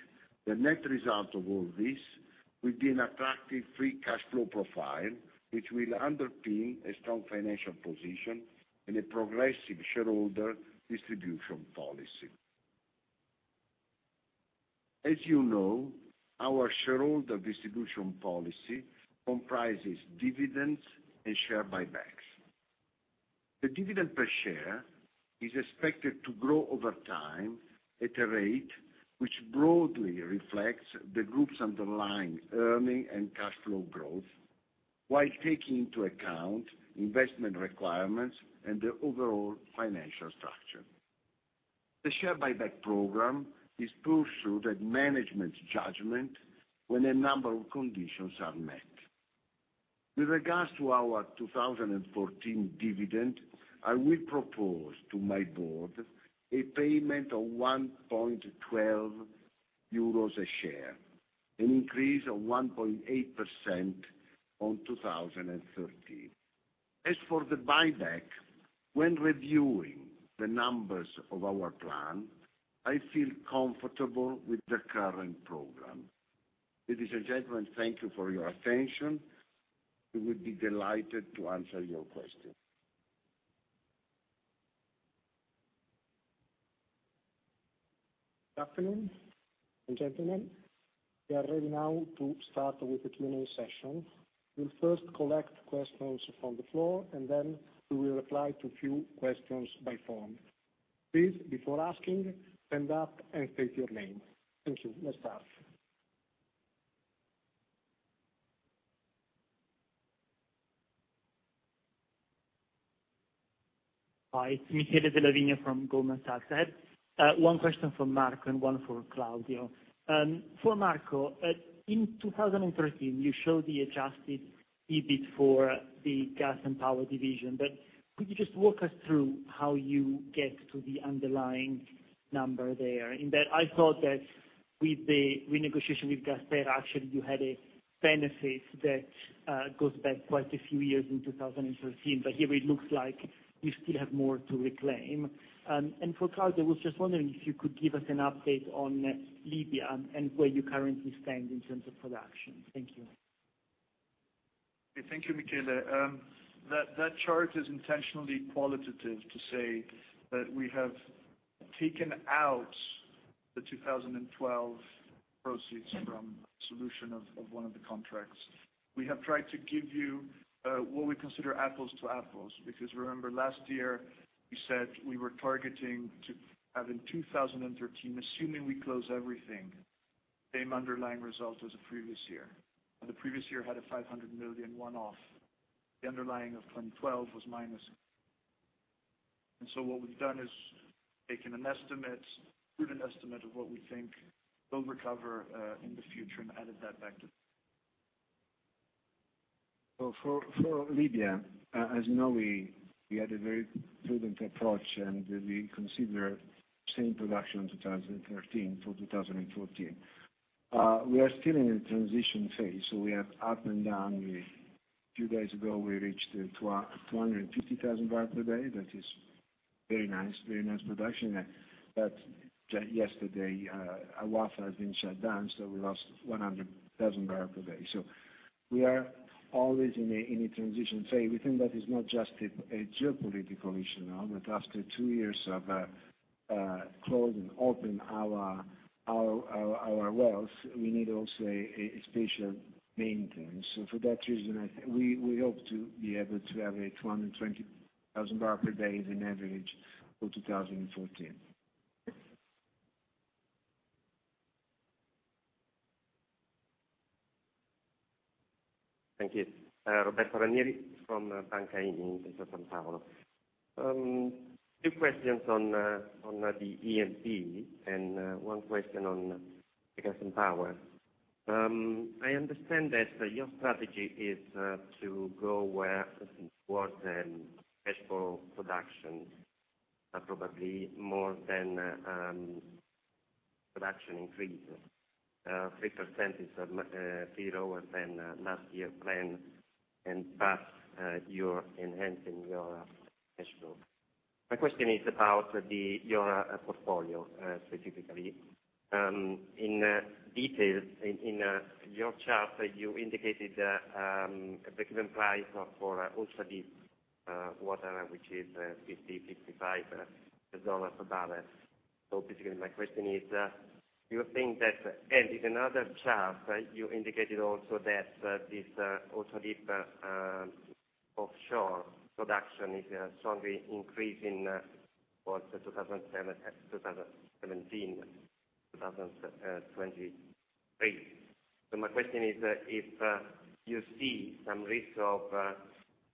the net result of all this will be an attractive free cash flow profile, which will underpin a strong financial position and a progressive shareholder distribution policy. As you know, our shareholder distribution policy comprises dividends and share buybacks. The dividend per share is expected to grow over time at a rate which broadly reflects the group's underlying earning and cash flow growth, while taking into account investment requirements and the overall financial structure. The share buyback program is pursued at management's judgment when a number of conditions are met. With regards to our 2014 dividend, I will propose to my board a payment of 1.12 euros a share, an increase of 1.8% on 2013. For the buyback, when reviewing the numbers of our plan, I feel comfortable with the current program. Ladies and gentlemen, thank you for your attention. We would be delighted to answer your questions. Good afternoon, gentlemen. We are ready now to start with the Q&A session. We will first collect questions from the floor, and then we will reply to a few questions by phone. Please, before asking, stand up and state your name. Thank you. Let's start. Hi, it's Michele Della Vigna from Goldman Sachs. I have one question for Marco and one for Claudio. For Marco, in 2013, you showed the adjusted EBIT for the gas and power division, but could you just walk us through how you get to the underlying number there? In that, I thought that with the renegotiation with Gazprom action, you had a benefit that goes back quite a few years in 2013. Here it looks like we still have more to reclaim. For Claudio, I was just wondering if you could give us an update on Libya and where you currently stand in terms of production. Thank you. Thank you, Michele. That chart is intentionally qualitative to say that we have taken out the 2012 proceeds from solution of one of the contracts. We have tried to give you what we consider apples to apples, because remember last year we said we were targeting to have in 2013, assuming we close everything, same underlying result as the previous year. The previous year had a 500 million one-off. The underlying of 2012 was minus. What we've done is taken a prudent estimate of what we think we will recover in the future and added that back to. For Libya, as you know, we had a very prudent approach, and we consider same production 2013 for 2014. We are still in a transition phase, so we have up and down. A few days ago, we reached 250,000 barrel per day. That is very nice production. Yesterday, Wafa has been shut down, so we lost 100,000 barrel per day. We are always in a transition phase. We think that is not just a geopolitical issue now, but after two years of closing, open our wells, we need also a special maintenance. For that reason, we hope to be able to have a 220,000 barrel per day as an average for 2014. Thank you. Roberto Ranieri from Banca Intesa Sanpaolo. Two questions on the E&P, one question on the gas and power. I understand that your strategy is to go towards the cash flow production, probably more than production increase. 3% is a bit lower than last year plan, but you're enhancing your cash flow. My question is about your portfolio, specifically. In detail, in your chart, you indicated the breakeven price for ultra-deep water, which is $50, $55 a barrel. Basically, my question is, do you think that In another chart, you indicated also that this ultra-deep offshore production is strongly increasing for 2017 to 2023. My question is, if you see some risk of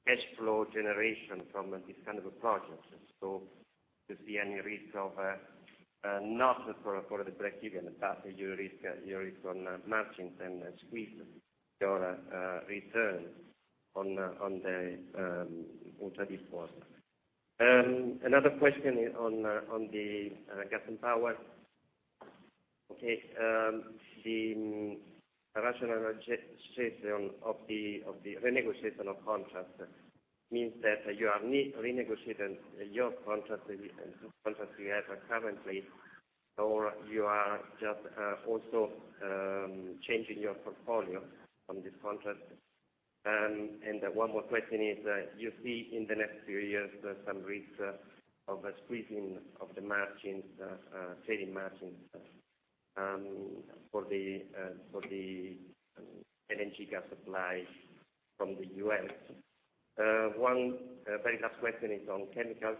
cash flow generation from these kinds of projects. Do you see any risk of, not for the breakeven, but you risk on margins and squeeze your return on the ultra-deep water? Another question on the gas and power. Okay. The rationalization of the renegotiation of contracts means that you are renegotiating your contracts, the contracts you have currently, or you are just also changing your portfolio on this contract? One more question is, do you see in the next few years some risks of a squeezing of the trading margins for the LNG gas supply from the U.S.? One very last question is on chemicals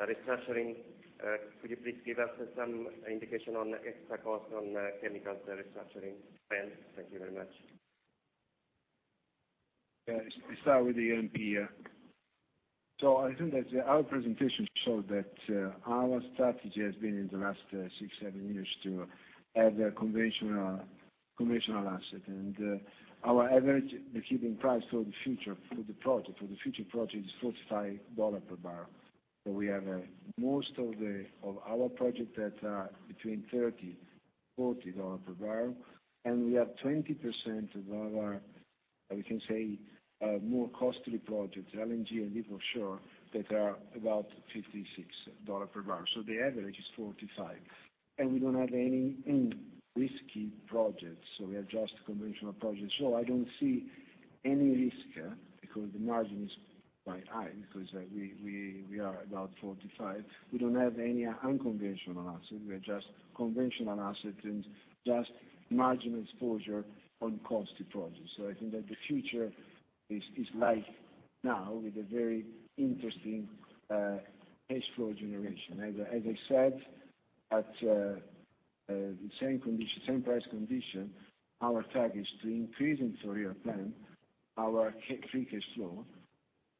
restructuring. Could you please give us some indication on extra cost on chemicals restructuring plan? Thank you very much. Yeah. I start with the E&P. I think that our presentation showed that our strategy has been, in the last six, seven years, to add a conventional asset. Our average breakeven price for the future project is $45 per barrel. We have most of our projects that are between $30, $40 per barrel, and we have 20% of our, we can say, more costly projects, LNG and deep offshore, that are about $56 per barrel. The average is $45, we don't have any risky projects. We have just conventional projects. I don't see any risk because the margin is quite high because we are about $45. We don't have any unconventional assets. We are just conventional assets and just marginal exposure on costly projects. I think that the future is like now, with a very interesting cash flow generation. As I said, at the same price condition, our target is to increase in three-year plan our free cash flow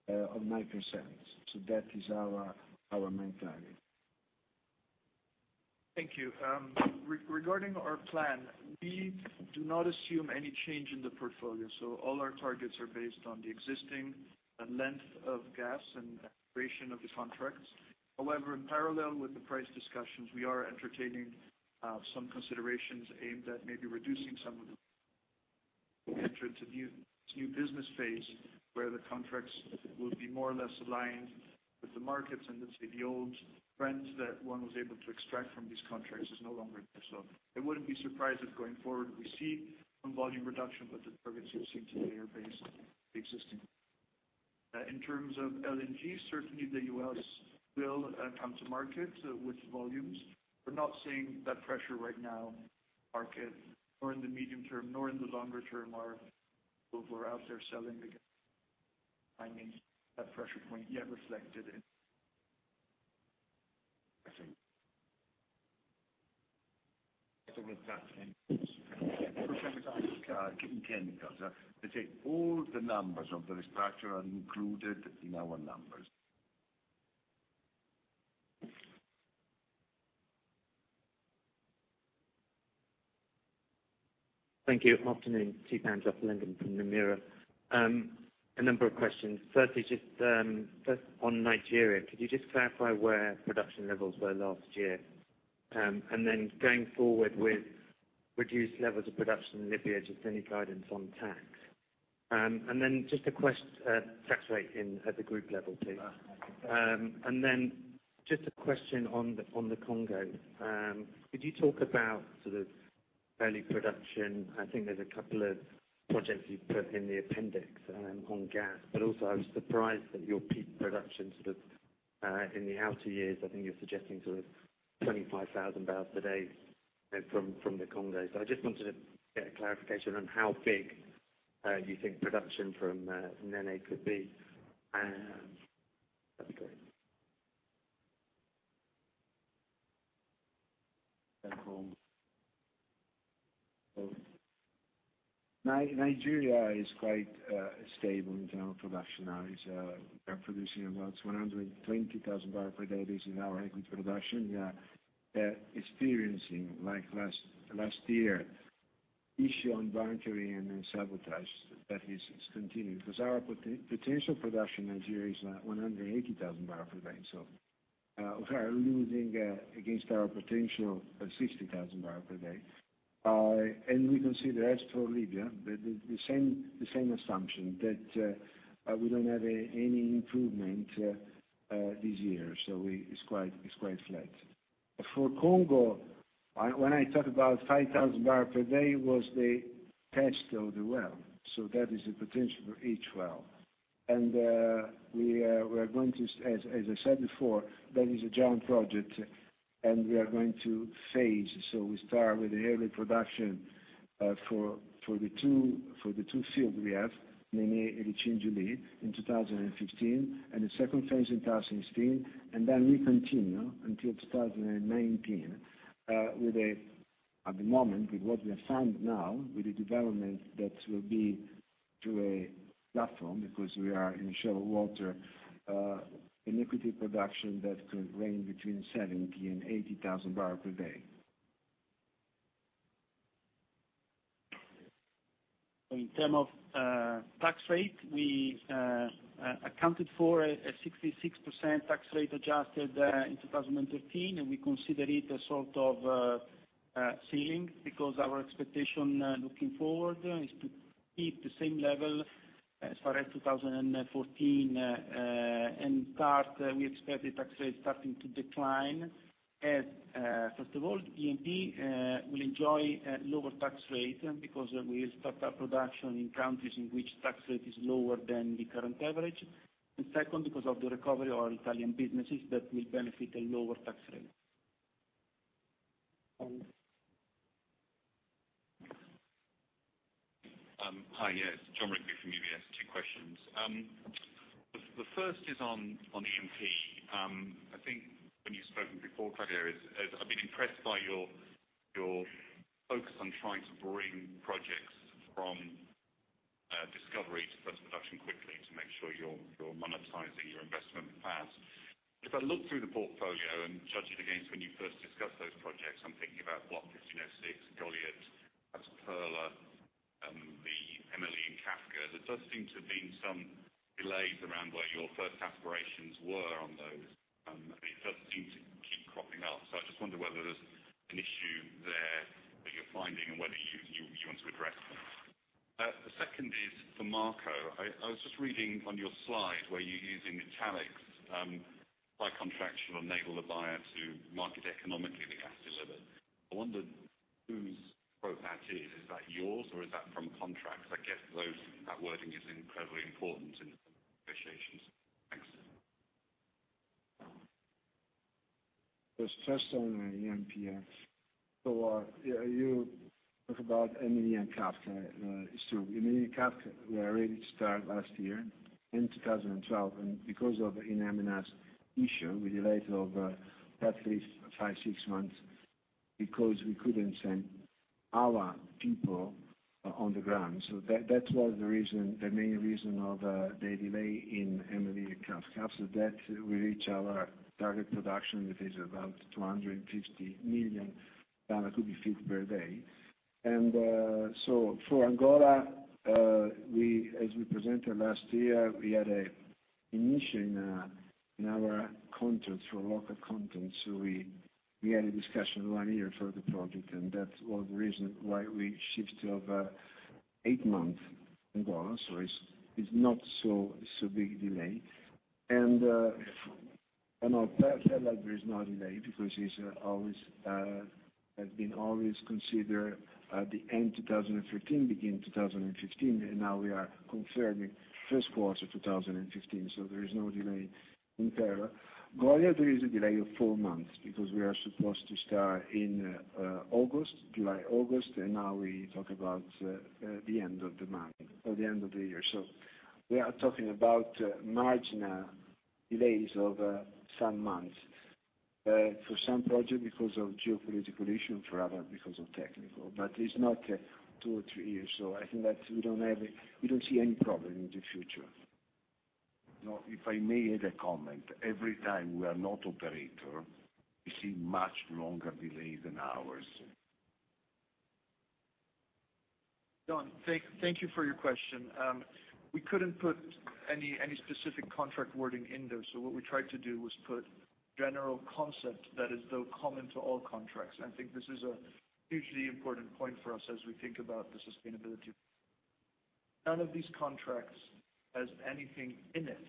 of 9%. That is our main target. Thank you. Regarding our plan, we do not assume any change in the portfolio, all our targets are based on the existing length of gas and duration of the contracts. However, in parallel with the price discussions, we are entertaining some considerations aimed at maybe reducing some of the enter into this new business phase, where the contracts will be more or less aligned with the markets, and let's say the old friends that one was able to extract from these contracts is no longer there. I wouldn't be surprised if, going forward, we see some volume reduction, but the targets you're seeing today are based on the existing. In terms of LNG, certainly the U.S. will come to market with volumes. We're not seeing that pressure right now, market, nor in the medium term, nor in the longer term, are people who are out there selling the gas. I mean, that pressure point yet reflected in. In chemicals, let's say all the numbers of the restructure are included in our numbers. Thank you. Afternoon. Stephen Joseph Linden from Nomura. A number of questions. Just first on Nigeria, could you just clarify where production levels were last year? Going forward with reduced levels of production in Libya, just any guidance on tax? Just a tax rate at the group level, please. Okay. Just a question on the Congo. Could you talk about early production? I think there's a couple of projects you've put in the appendix on gas, but also I was surprised that your peak production in the outer years, I think you're suggesting 25,000 barrels per day from the Congo. I just wanted to get a clarification on how big you think production from Nené could be. That's it. Congo. Nigeria is quite stable in general production now. We are producing about 120,000 barrel per day. This is our equity production. We are experiencing, like last year, issue on bunkering and sabotage. That is continued, because our potential production in Nigeria is 180,000 barrel per day. We are losing, against our potential, 60,000 barrel per day. We consider, as for Libya, the same assumption, that we don't have any improvement this year. It's quite flat. For Congo, when I talk about 5,000 barrel per day, was the test of the well. That is the potential for each well. We are going to, as I said before, that is a joint project, and we are going to phase. We start with the early production for the two fields we have, Nené and Litchendjili in 2015, and the second phase in 2016. We continue until 2019, at the moment, with what we have found now, with the development that will be to a platform, because we are in shallow water, in equity production that could range between 70,000 and 80,000 barrel per day. In terms of tax rate, we accounted for a 66% tax rate adjusted in 2013, and we consider it a sort of ceiling, because our expectation looking forward is to keep the same level as far as 2014. In part, we expect the tax rate starting to decline as, first of all, E&P will enjoy a lower tax rate because we'll start our production in countries in which tax rate is lower than the current average. Second, because of the recovery of our Italian businesses that will benefit a lower tax rate. And Hi, yes. Jon Rigby from UBS. Two questions. The first is on E&P. I think when you've spoken before, Claudio, I've been impressed by your focus on trying to bring projects from discovery to first production quickly to make sure you're monetizing your investment plans. If I look through the portfolio and judge it against when you first discussed those projects, I'm thinking about Block 15/06, Goliat, Perla, the MLE and Kashagan, there does seem to have been some delays around where your first aspirations were on those, and it does seem to keep cropping up. I just wonder whether there's an issue there that you're finding and whether you want to address them. The second is for Marco. I was just reading on your slide where you're using italics, "My contract should enable the buyer to market economically the gas delivered." I wondered whose quote that is. Is that yours or is that from contract? I guess that wording is incredibly important in negotiations. Thanks. The first on E&P. You talk about MLE and Kashagan. It's true. MLE and Kashagan were ready to start last year in 2012. Because of an MENA issue, we delayed over at least five, six months because we couldn't send our people on the ground. That was the main reason of the delay in MLE and Kashagan. After that, we reach our target production, which is about 250 million standard cubic feet per day. For Angola, as we presented last year, we had an issue in our contract for local content. We had a discussion one year for the project, and that was the reason why we shifted over eight months in Angola. It's not so big delay. On our Perla, there is no delay because it has been always considered the end 2013, beginning 2015, and now we are confirming first quarter 2015. There is no delay in Perla. Goliat, there is a delay of four months because we are supposed to start in July, August, and now we talk about the end of the year. We are talking about marginal delays of some months. For some project because of geopolitical issue, for other because of technical, but it's not two or three years. I think that we don't see any problem in the future. If I may add a comment. Every time we are not operator, we see much longer delays than ours. Jon, thank you for your question. We couldn't put any specific contract wording in there, what we tried to do was put general concept that is, though, common to all contracts, and I think this is a hugely important point for us as we think about the sustainability. None of these contracts has anything in it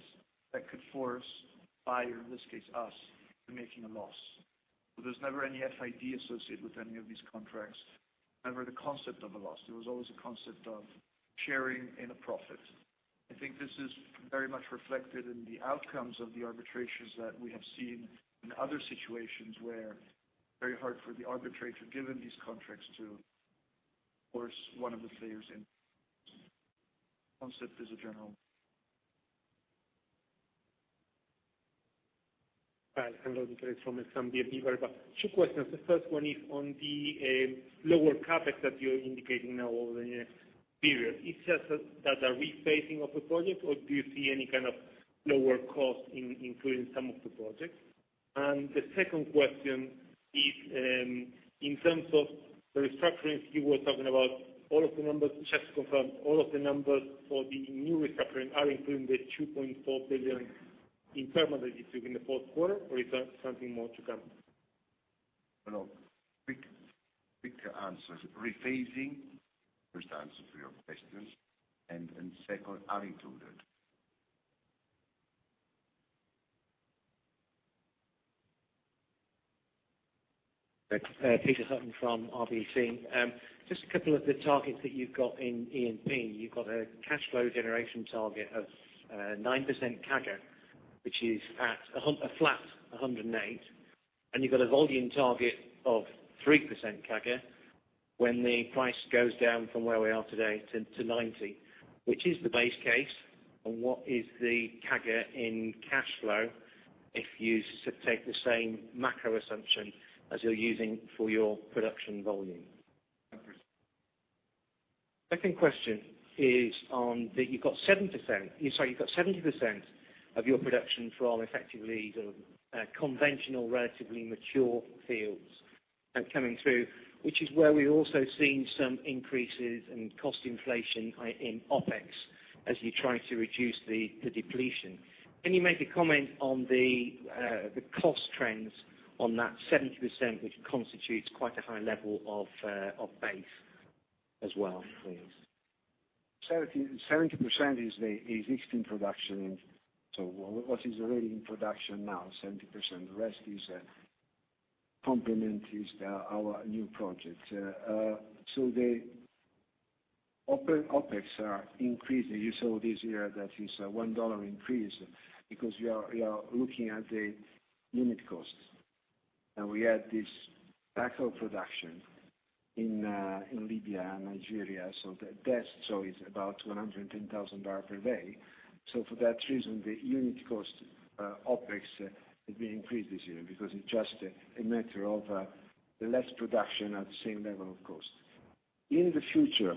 that could force buyer, in this case us, to making a loss. There's never any FID associated with any of these contracts, never the concept of a loss. There was always a concept of sharing in a profit. I think this is very much reflected in the outcomes of the arbitrations that we have seen in other situations where very hard for the arbitrator, given these contracts to force one of the players in. Concept is a general Hi, Angelo Peter Hutton from RBC. A couple of the targets that you've got in E&P. You've got a cash flow generation target of 9% CAGR, which is at a flat $108, and you've got a volume target of 3% CAGR when the price goes down from where we are today to $90. Which is the base case, and what is the CAGR in cash flow if you take the same macro assumption as you're using for your production volume? Second question is on, that you've got 70% of your production from effectively the conventional, relatively mature fields coming through, which is where we've also seen some increases in cost inflation in OpEx as you try to reduce the depletion. Can you make a comment on the cost trends on that 70%, which constitutes quite a high level of base as well, please? 70% is existing production. What is already in production now, 70%. The rest is complement, is our new project. The OpEx are increasing. You saw this year that is a $1 increase because we are looking at the unit costs, and we had this backup production in Libya and Nigeria. That is about $110,000 per day. For that reason, the unit cost OpEx is being increased this year because it's just a matter of less production at the same level of cost. In the future,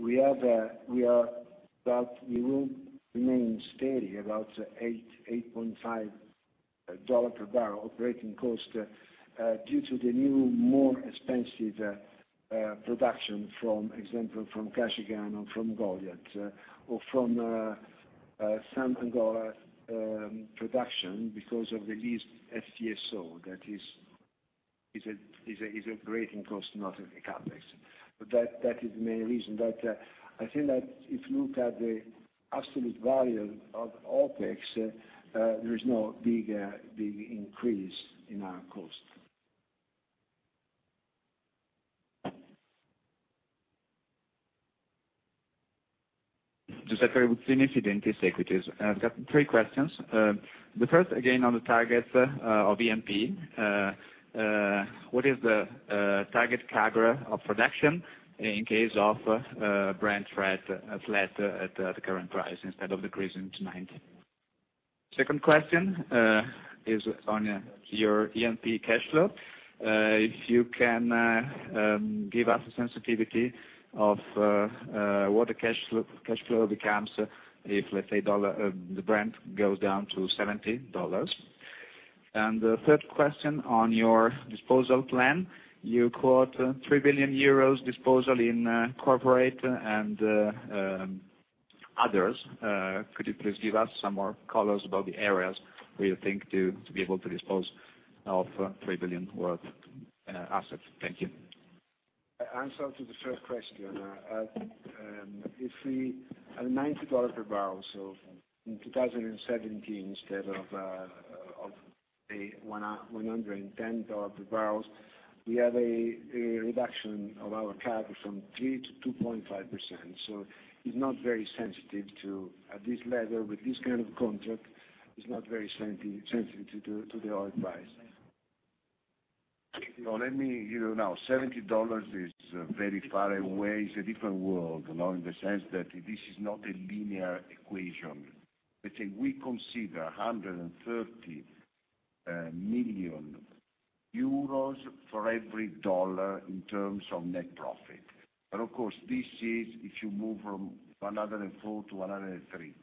we will remain steady about $8.5 per barrel operating cost, due to the new, more expensive production, for example, from Kashagan or from Goliat, or from some Angola production because of the leased FPSO. That is operating cost, not CapEx. That is the main reason. I think that if you look at the absolute value of OpEx, there is no big increase in our cost. Giuseppe Bassi, Fidentiis Equities. I've got three questions. The first, again, on the targets of E&P. What is the target CAGR of production in case of Brent flat at the current price instead of decreasing to $90? Second question is on your E&P cash flow. If you can give us a sensitivity of what the cash flow becomes if, let's say, the Brent goes down to $70. The third question on your disposal plan. You quote 3 billion euros disposal in corporate and others. Could you please give us some more colors about the areas where you think to be able to dispose of 3 billion worth assets? Thank you. Answer to the first question. At $90 per barrel, in 2017 instead of a $110 per barrels, we have a reduction of our CapEx from 3% to 2.5%. It's not very sensitive. At this level, with this kind of contract, it's not very sensitive to the oil price. $70 is very far away. It's a different world, in the sense that this is not a linear equation. Let's say we consider 130 million euros for every USD in terms of net profit. Of course, this is if you move from 104 to 103. If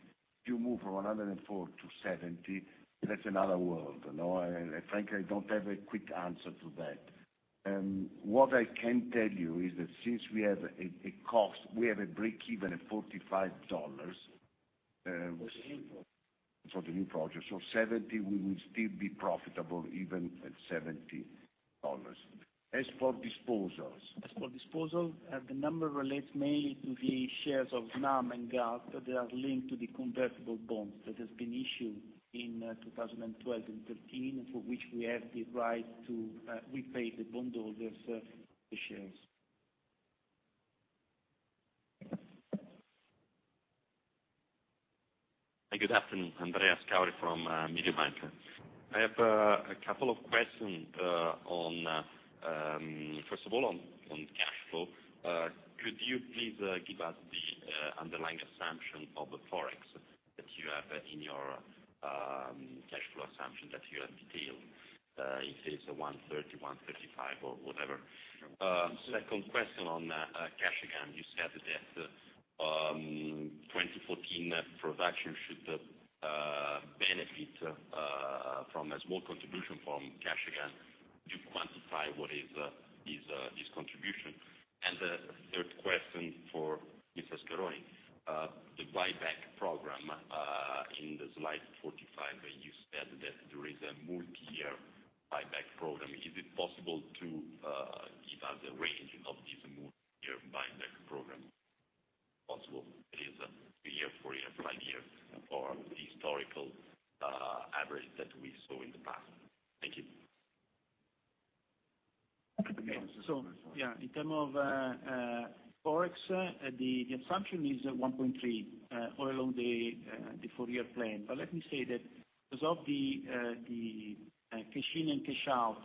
you move from 104 to 70, that's another world. Frankly, I don't have a quick answer to that. What I can tell you is that since we have a breakeven at $45 for the new project, 70, we will still be profitable even at $70. As for disposals. As for disposal, the number relates mainly to the shares of Snam and [GOS] that has been issued in 2012 and 2013, for which we have the right to repay the bondholders the shares. Good afternoon, Alessandro Scauri from Mediobanca. I have a couple of questions. First of all, on cash flow, could you please give us the underlying assumption of the Forex that you have in your cash flow assumption that you have detailed? If it's 1.30, 1.35, or whatever. Second question on cash again, you said that 2014 production should benefit from a small contribution from Kashagan. Could you quantify what is this contribution? The third question for Mr. Scaroni. The buyback program in the slide 45, where you said that there is a multi-year buyback program. Is it possible to give us a range of this multi-year buyback program? Possible it is a three year, four year, five years, or the historical average that we saw in the past. Thank you. In term of Forex, the assumption is 1.3 all along the four-year plan. Let me say that because of the cash in and cash outs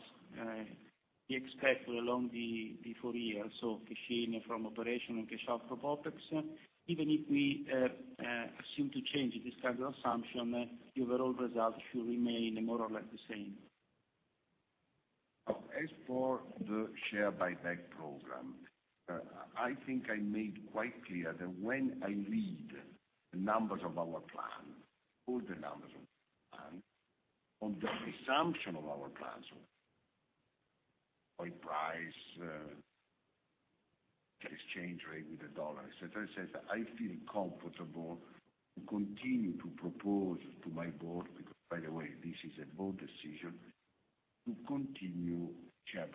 we expect along the four years, cash in from operation and cash out from OpEx, even if we assume to change this kind of assumption, the overall result should remain more or less the same. I think I made quite clear that when I read the numbers of our plan, all the numbers of our plan, on the assumption of our plans, oil price, the exchange rate with the dollar, et cetera, et cetera, I feel comfortable to continue to propose to my board, because by the way, this is a board decision, to continue share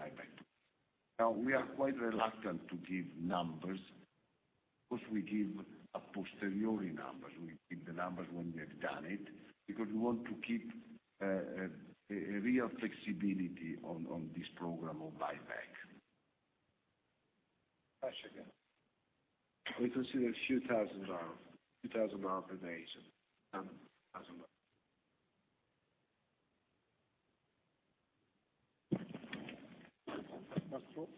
buyback. We are quite reluctant to give numbers because we give a posteriori numbers. We give the numbers when we have done it, because we want to keep a real flexibility on this program of buyback. Cash again. We consider a few thousand EUR. Few thousand [dollar] per nation, and thousand [dollar]. That's all.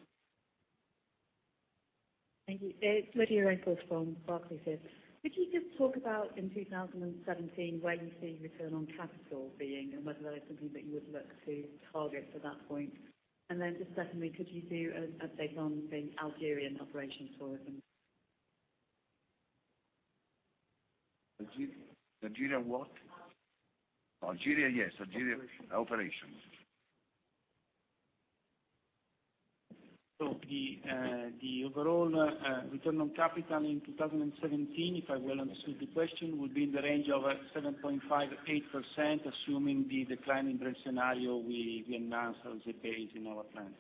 Thank you. It is Lydia Rainforth from Barclays here. Could you just talk about, in 2017, where you see return on capital being, and whether that is something that you would look to target at that point? Just secondly, could you do an update on the Algerian operations for us? Algeria what? Algeria, yes. Algeria operations. The overall return on capital in 2017, if I well understood the question, would be in the range of 7.58%, assuming the decline in Brent scenario we announced as the base in our plan.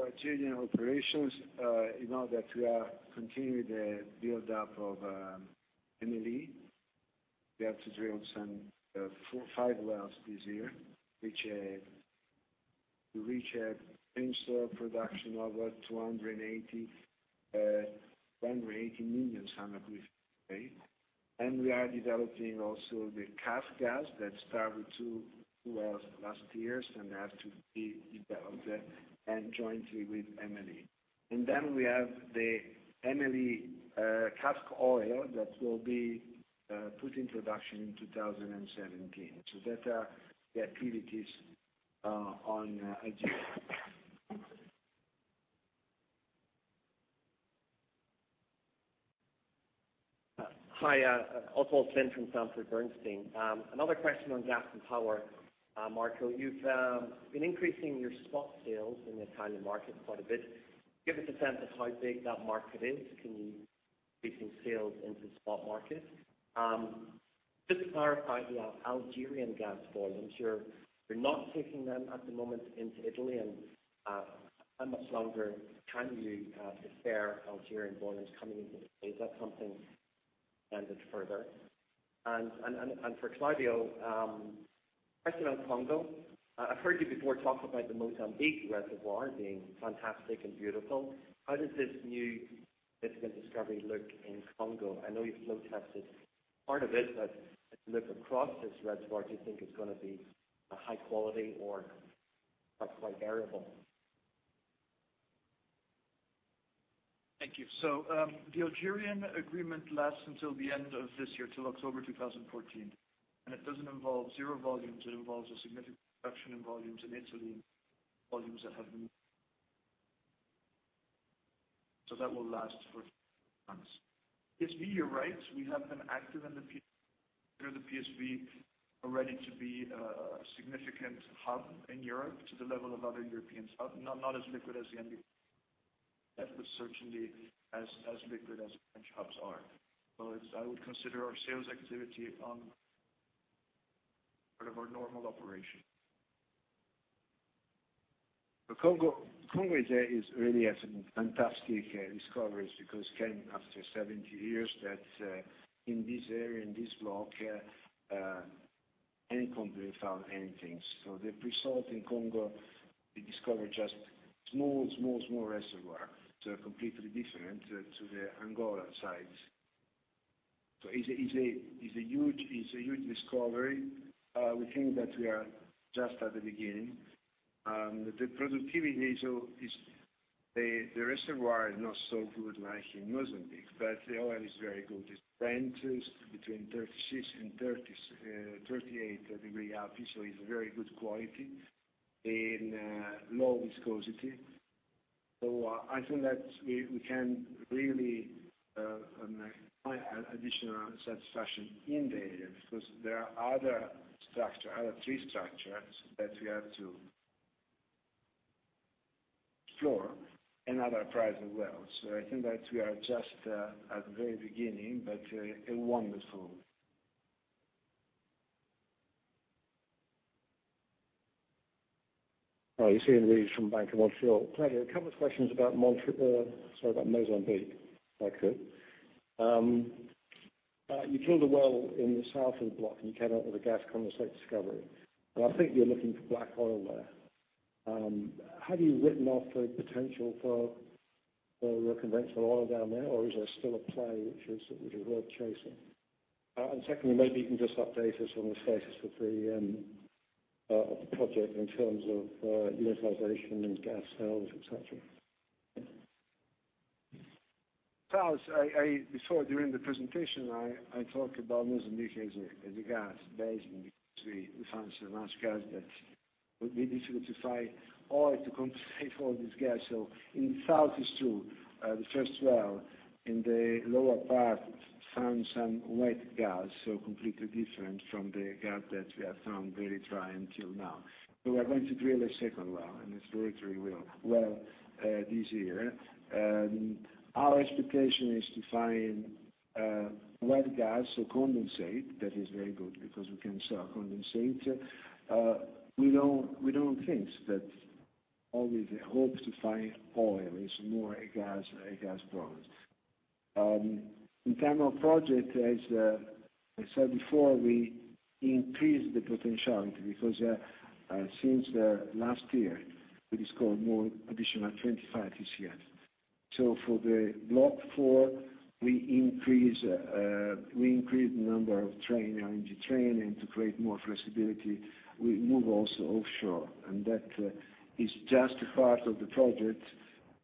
Algerian operations, you know that we are continuing the build-up of MLE. We have to drill some four, five wells this year, to reach a installed production of 280 million, roughly. We are developing also the Kashagan gas that started [too well] last year, and has to be developed, jointly with MLE. Then we have the MLE Kashagan oil that will be put into production in 2017. That are the activities on Algeria. Hi, Oswald Clint from Sanford C. Bernstein. Another question on gas and power, Marco. You've been increasing your spot sales in the Italian market quite a bit. Give us a sense of how big that market is. Can you increase sales into the spot market? Just to clarify the Algerian gas volumes, you're not taking them at the moment into Italy. How much longer can you spare Algerian volumes coming into play? Is that something extended further? For Claudio, a question on Congo. I've heard you before talk about the Motema Beach reservoir being fantastic and beautiful. How does this new significant discovery look in Congo? I know you've flow tested part of it, but as you look across this reservoir, do you think it's going to be high quality or quite variable? Thank you. The Algerian agreement lasts until the end of this year, till October 2014. It doesn't involve zero volumes, it involves a significant reduction in volumes in Italy, volumes that have been That will last for months. PSV, you're right, we have been active in the PSV, are ready to be a significant hub in Europe to the level of other European hubs. Not as liquid as the NBP hub, but certainly as liquid as French hubs are. I would consider our sales activity on part of our normal operation. Congo is really a fantastic discovery, because it came after 70 years that in this area, in this block, Eni Congo haven't found anything. The result in Congo, we discovered just Small reservoir, completely different to the Angola size. It's a huge discovery. We think that we are just at the beginning. The reservoir is not so good like in Mozambique, but the oil is very good. It ranges between 36 and 38 degree API, it's very good quality and low viscosity. I think that we can really find additional satisfaction in the area, because there are other three structures that we have to explore, and other appraisal wells. I think that we are just at the very beginning, but a wonderful- Hi, Lucian Reid from Bank of Montreal. Claudio, a couple of questions about Mozambique, if I could. You drilled a well in the south of the block, you came out with a gas condensate discovery. I think you're looking for black oil there. Have you written off the potential for conventional oil down there, or is there still a play which is worth chasing? Secondly, maybe you can just update us on the status of the project in terms of utilization and gas sales, et cetera. You saw during the presentation, I talked about Mozambique as a gas basin, we found so much gas that would be difficult to find oil to compensate for all this gas. In the south is true. The first well in the lower part found some wet gas, so completely different from the gas that we have found, very dry until now. We are going to drill a second well, an exploratory well this year. Our expectation is to find wet gas or condensate. That is very good because we can sell condensate. Always a hope to find oil, it's more a gas product. In term of project, as I said before, we increased the potential because since the last year, we discovered more additional 25 this year. For the Block 4, we increased the number of LNG train, to create more flexibility, we move also offshore, that is just a part of the project.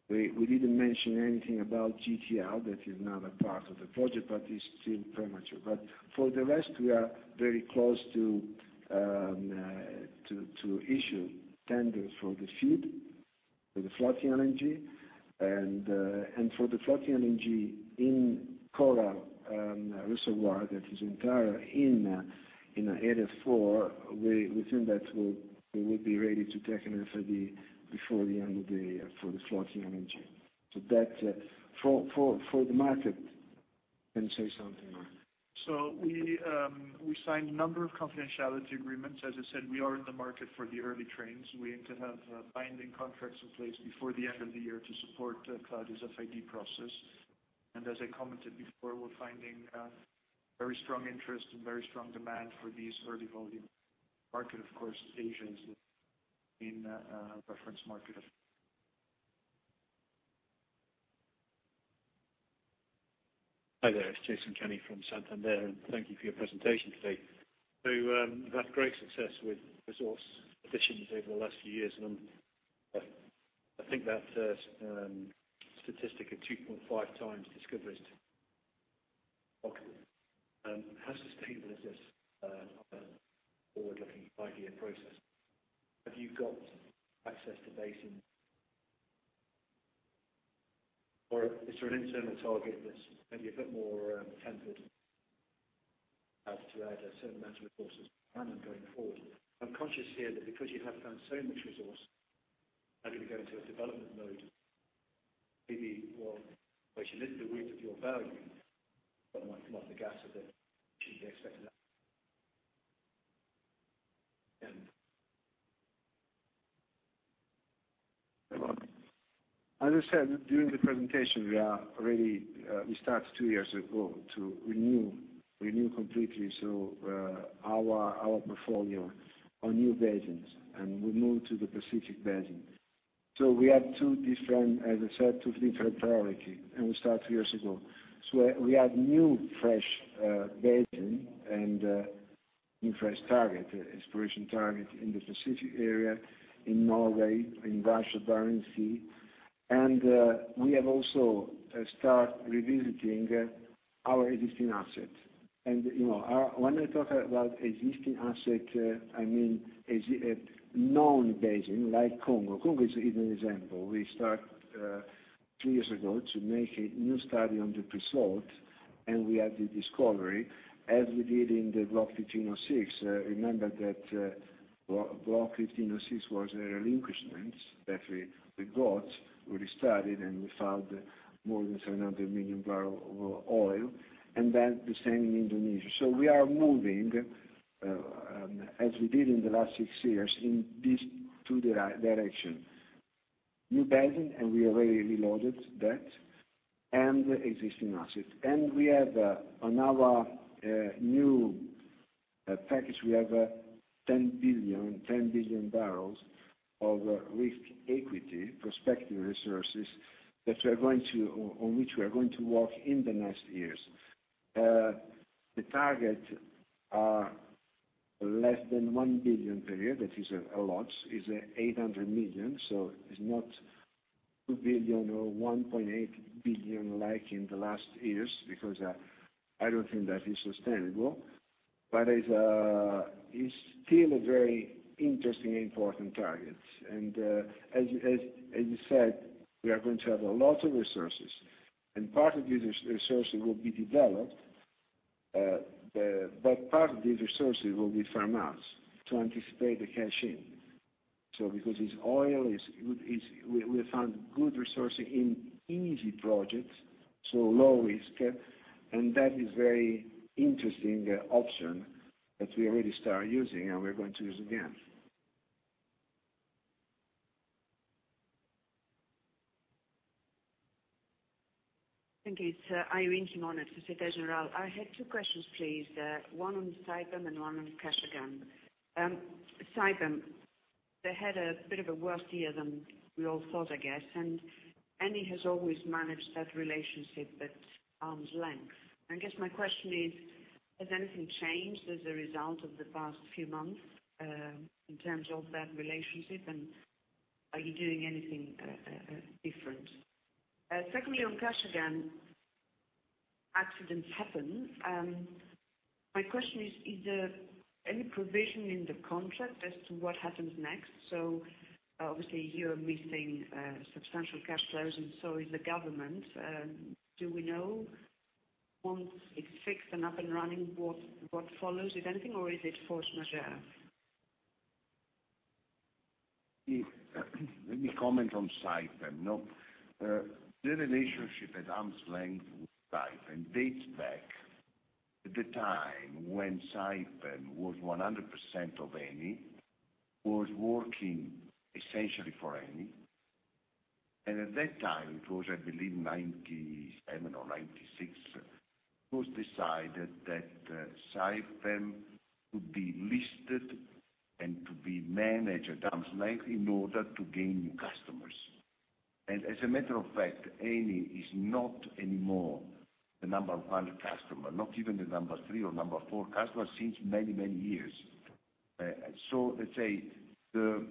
We didn't mention anything about GTL. That is another part of the project, it's still premature. For the rest, we are very close to issue tenders for the feed for the floating LNG. For the floating LNG in Coral reservoir, that is entire in Area 4, we think that we will be ready to take an FID before the end of the year for the floating LNG. That, for the market, say something. We signed a number of confidentiality agreements. As I said, we are in the market for the early trains. We aim to have binding contracts in place before the end of the year to support Claudio's FID process. As I commented before, we're finding very strong interest and very strong demand for these early volume. Market, of course, Asia is the main reference market. Hi there. It's Jason Kenney from Santander, and thank you for your presentation today. You've had great success with resource additions over the last few years, and I think that statistic of 2.5 times discoveries. How sustainable is this forward-looking five-year process? Have you got access to basins? Is there an internal target that's maybe a bit more tempered as to certain amount of resources planned on going forward? I'm conscious here that because you have found so much resource, are you going to go into a development mode, maybe one which limits the width of your value, but might come off the gas a bit? Should we be expecting that? As I said during the presentation, we started two years ago to renew completely our portfolio on new basins, and we moved to the Pacific basin. We have two different priority, and we start two years ago. We have new fresh basin and new fresh target, exploration target in the Pacific area, in Norway, in Russian Barents Sea. We have also start revisiting our existing asset. When I talk about existing asset, I mean a known basin like Congo. Congo is a good example. We start two years ago to make a new study on the pre-salt, and we had the discovery, as we did in the Block 15/06. Remember that Block 15/06 was a relinquishment that we got, we studied, and we found more than 700 million barrel of oil, and then the same in Indonesia. We are moving, as we did in the last six years, in these two directions. New basin, and we already reloaded that, and existing asset. We have on our new That package, we have 10 billion barrels of risk equity, prospective resources, on which we are going to work in the next years. The target are less than one billion per year, that is a lot, is 800 million. It's not 2 billion or 1.8 billion like in the last years, because I don't think that is sustainable. It's still a very interesting and important target. As you said, we are going to have a lot of resources, and part of these resources will be developed, but part of these resources will be farmed out to anticipate the cash-in. Because it's oil, we have found good resources in easy projects, so low risk, and that is very interesting option that we already started using, and we're going to use again. Thank you. It's Irene Himona, Societe Generale. I had two questions, please. One on Saipem and one on Kashagan. Saipem, they had a bit of a worse year than we all thought, I guess, and Eni has always managed that relationship at arm's length. I guess my question is, has anything changed as a result of the past few months, in terms of that relationship, and are you doing anything different? Secondly, on Kashagan, accidents happen. My question is there any provision in the contract as to what happens next? Obviously you're missing substantial cash flows and so is the government. Do we know once it's fixed and up and running, what follows? Is anything or is it force majeure? Let me comment on Saipem. The relationship at arm's length with Saipem dates back to the time when Saipem was 100% of Eni, was working essentially for Eni, and at that time, it was, I believe, '97 or '96, it was decided that Saipem would be listed and to be managed at arm's length in order to gain new customers. As a matter of fact, Eni is not anymore the number 1 customer, not even the number 3 or number 4 customer since many, many years. Let's say the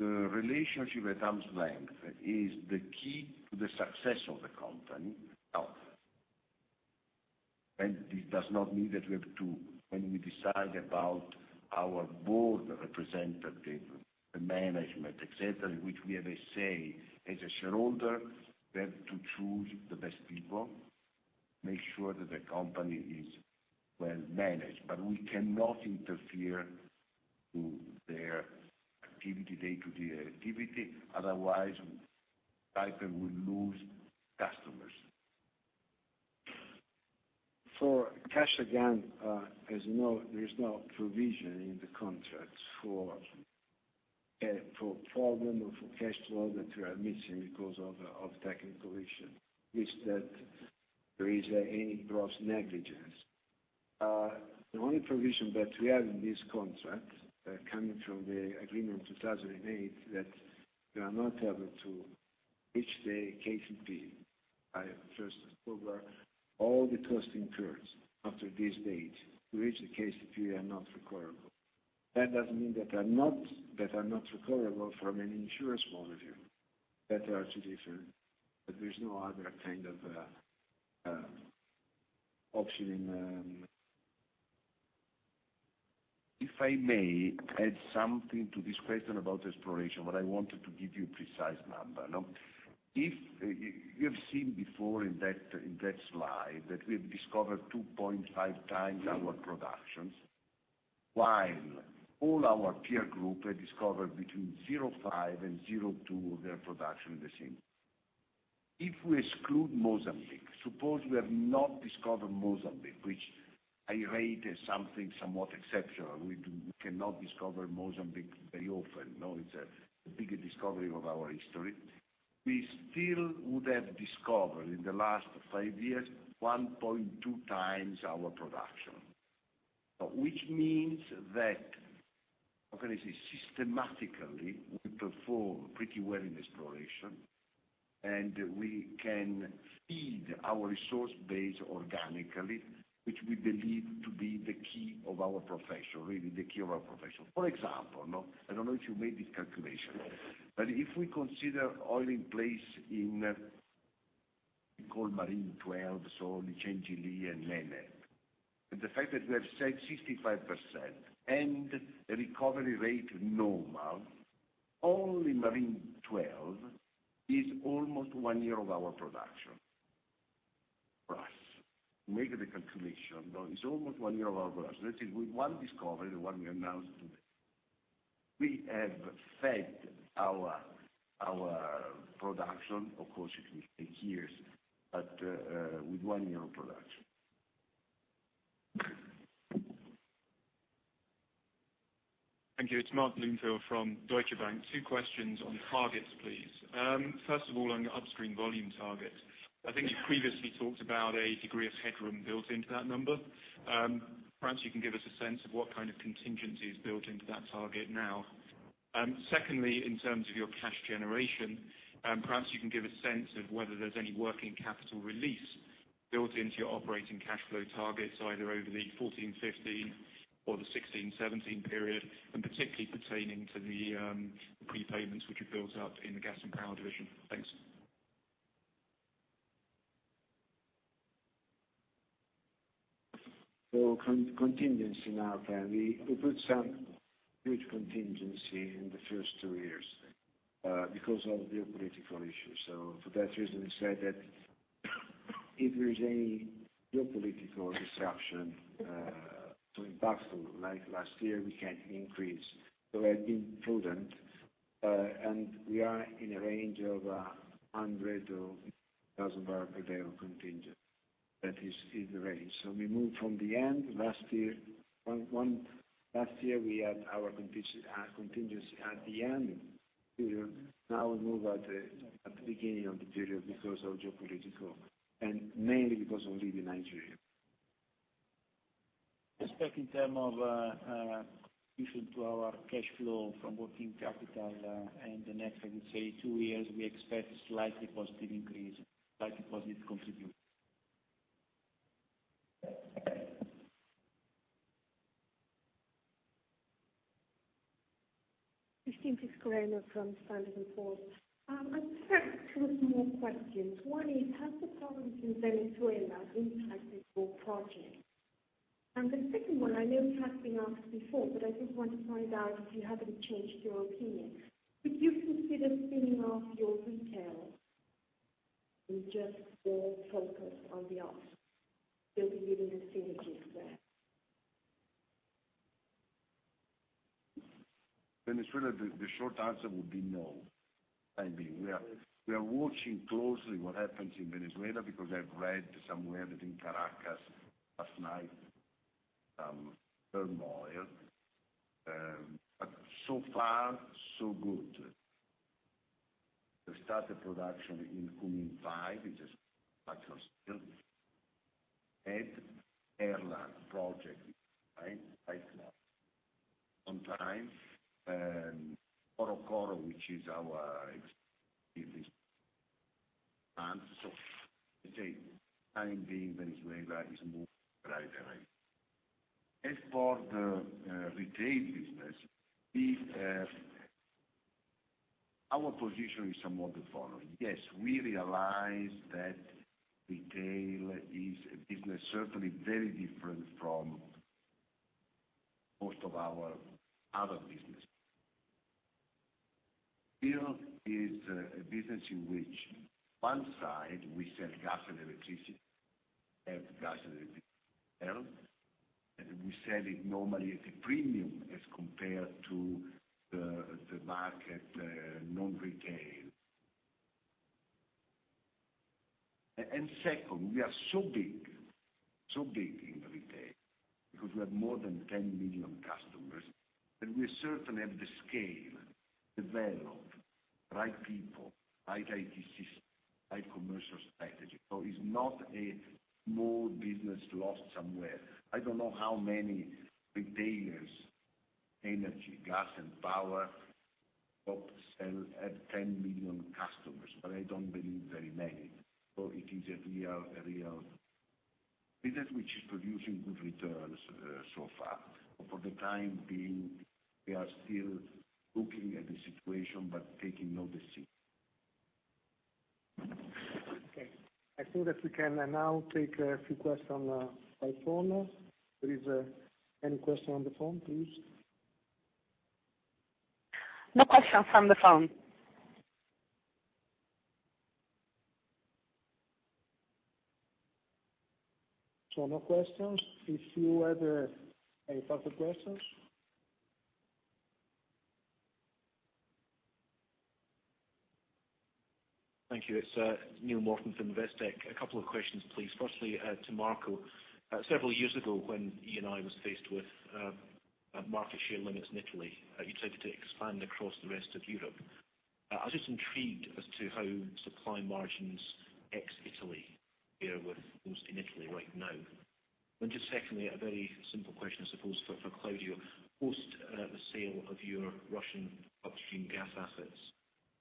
relationship at arm's length is the key to the success of the company itself. This does not mean that when we decide about our board representative, the management, et cetera, which we have a say as a shareholder, we have to choose the best people, make sure that the company is well managed. We cannot interfere to their day-to-day activity, otherwise Saipem will lose customers. For Kashagan, there's no provision in the contract for problem or for cash flow that we are missing because of technical issue, which that there is any gross negligence. The only provision that we have in this contract, coming from the agreement in 2008, that we are not able to reach the KCP by the 1st of October. All the costs incurred after this date to reach the KCP are not recoverable. That doesn't mean that they're not recoverable from an insurance point of view. They are two different. If I may add something to this question about exploration, I wanted to give you a precise number. You've seen before in that slide that we've discovered 2.5 times our productions, while all our peer group had discovered between 0.5 and 0.2 of their production in the same. If we exclude Mozambique, suppose we have not discovered Mozambique, which I rate as something somewhat exceptional. We cannot discover Mozambique very often. It's the biggest discovery of our history. We still would have discovered in the last five years, 1.2 times our production. Which means that, how can I say, systematically, we perform pretty well in exploration, and we can feed our resource base organically, which we believe to be the key of our profession, really the key of our profession. For example, I don't know if you made this calculation, if we consider oil in place in we call Marine XII, so Litchendjili and Nené, and the fact that we have said 65% and a recovery rate normal, only Marine XII is almost one year of our production for us. Make the calculation. It's almost one year of our production. That is with one discovery, the one we announced today, we have fed our production, of course, it will take years, but with one year of production. Thank you. It's Mark Bloomfield from Deutsche Bank. Two questions on targets, please. First of all, on your upstream volume target, I think you previously talked about a degree of headroom built into that number. Perhaps you can give us a sense of what kind of contingency is built into that target now. Secondly, in terms of your cash generation, perhaps you can give a sense of whether there's any working capital release built into your operating cash flow targets, either over the 2014/2015 or the 2016/2017 period, and particularly pertaining to the prepayments, which are built up in the gas and power division. Thanks. Contingency now, we put some huge contingency in the first two years because of the geopolitical issue. For that reason, we said that if there is any geopolitical disruption, some impactful like last year, we can increase. We have been prudent, and we are in a range of 100,000 barrels per day on contingent. That is the range. We moved from the end last year. Last year, we had our contingency at the end period. Now we move at the beginning of the period because of geopolitical, and mainly because of Libya and Nigeria. Expect in terms of addition to our cash flow from working capital in the next, I would say two years, we expect a slightly positive increase, slightly positive contribution. Kristina Piskaryova from Standard & Poor's. I have two small questions. One is, has the problems in Venezuela impacted your project? The second one, I know it has been asked before, but I just want to find out if you haven't changed your opinion. Would you consider spinning off your retail, and just more focus on the E&P? There'll be real synergies there. Venezuela, the short answer would be no. Time being, we are watching closely what happens in Venezuela because I've read somewhere that in Caracas last night, turmoil. So far, so good. They start the production in Junín 5, which is a batch of steel, and Perla project right now, on time. Corocoro, which is our. Let's say, time being, Venezuela is moving right. As for the retail business, our position is somewhat the following. Yes, we realize that retail is a business certainly very different from most of our other business. Here is a business in which one side we sell gas and electricity, and gas and electricity retail, and we sell it normally at a premium as compared to the market non-retail. Second, we are so big in retail because we have more than 10 million customers, that we certainly have the scale, developed, right people, right IT system, right commercial strategy. It's not a small business lost somewhere. I don't know how many retailers, energy, gas, and power sell at 10 million customers, but I don't believe very many. It is a real business which is producing good returns so far. For the time being, we are still looking at the situation but taking no decision. Okay, I think that we can now take a few questions by phone. There is any question on the phone, please? No questions from the phone. No questions. If you have any further questions? Thank you. It's Neill Morton from Investec. A couple of questions, please. Firstly, to Marco. Several years ago when Eni was faced with market share limits in Italy, you tried to expand across the rest of Europe. I was just intrigued as to how supply margins ex-Italy bear with those in Italy right now. Just secondly, a very simple question, I suppose, for Claudio. Post the sale of your Russian upstream gas assets,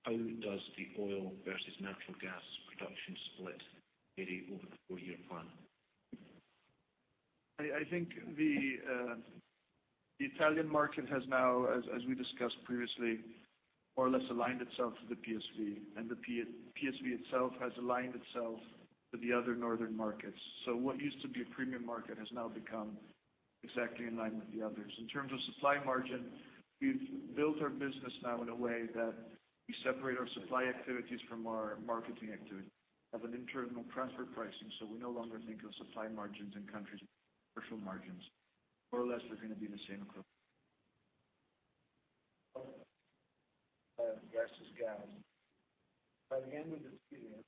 how does the oil versus natural gas production split vary over the four-year plan? I think the Italian market has now, as we discussed previously, more or less aligned itself to the PSV, and the PSV itself has aligned itself to the other northern markets. What used to be a premium market has now become exactly in line with the others. In terms of supply margin, we've built our business now in a way that we separate our supply activities from our marketing activity. Have an internal transfer pricing, we no longer think of supply margins in countries, commercial margins. More or less, they're going to be the same across. Oil versus gas. By the end of this period,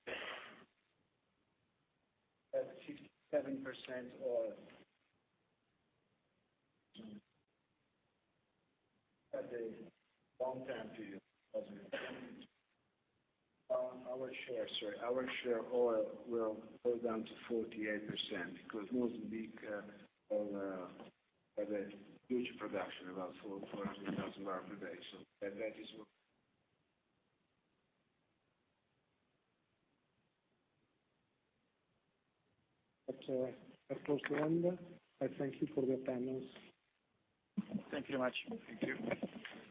at 57% oil. At a long term to you. Our share, sorry. Our share oil will go down to 48% because most of the big oil have a huge production, about 400,000 barrel per day. That is what That's the last one. I thank you for your patience. Thank you very much. Thank you.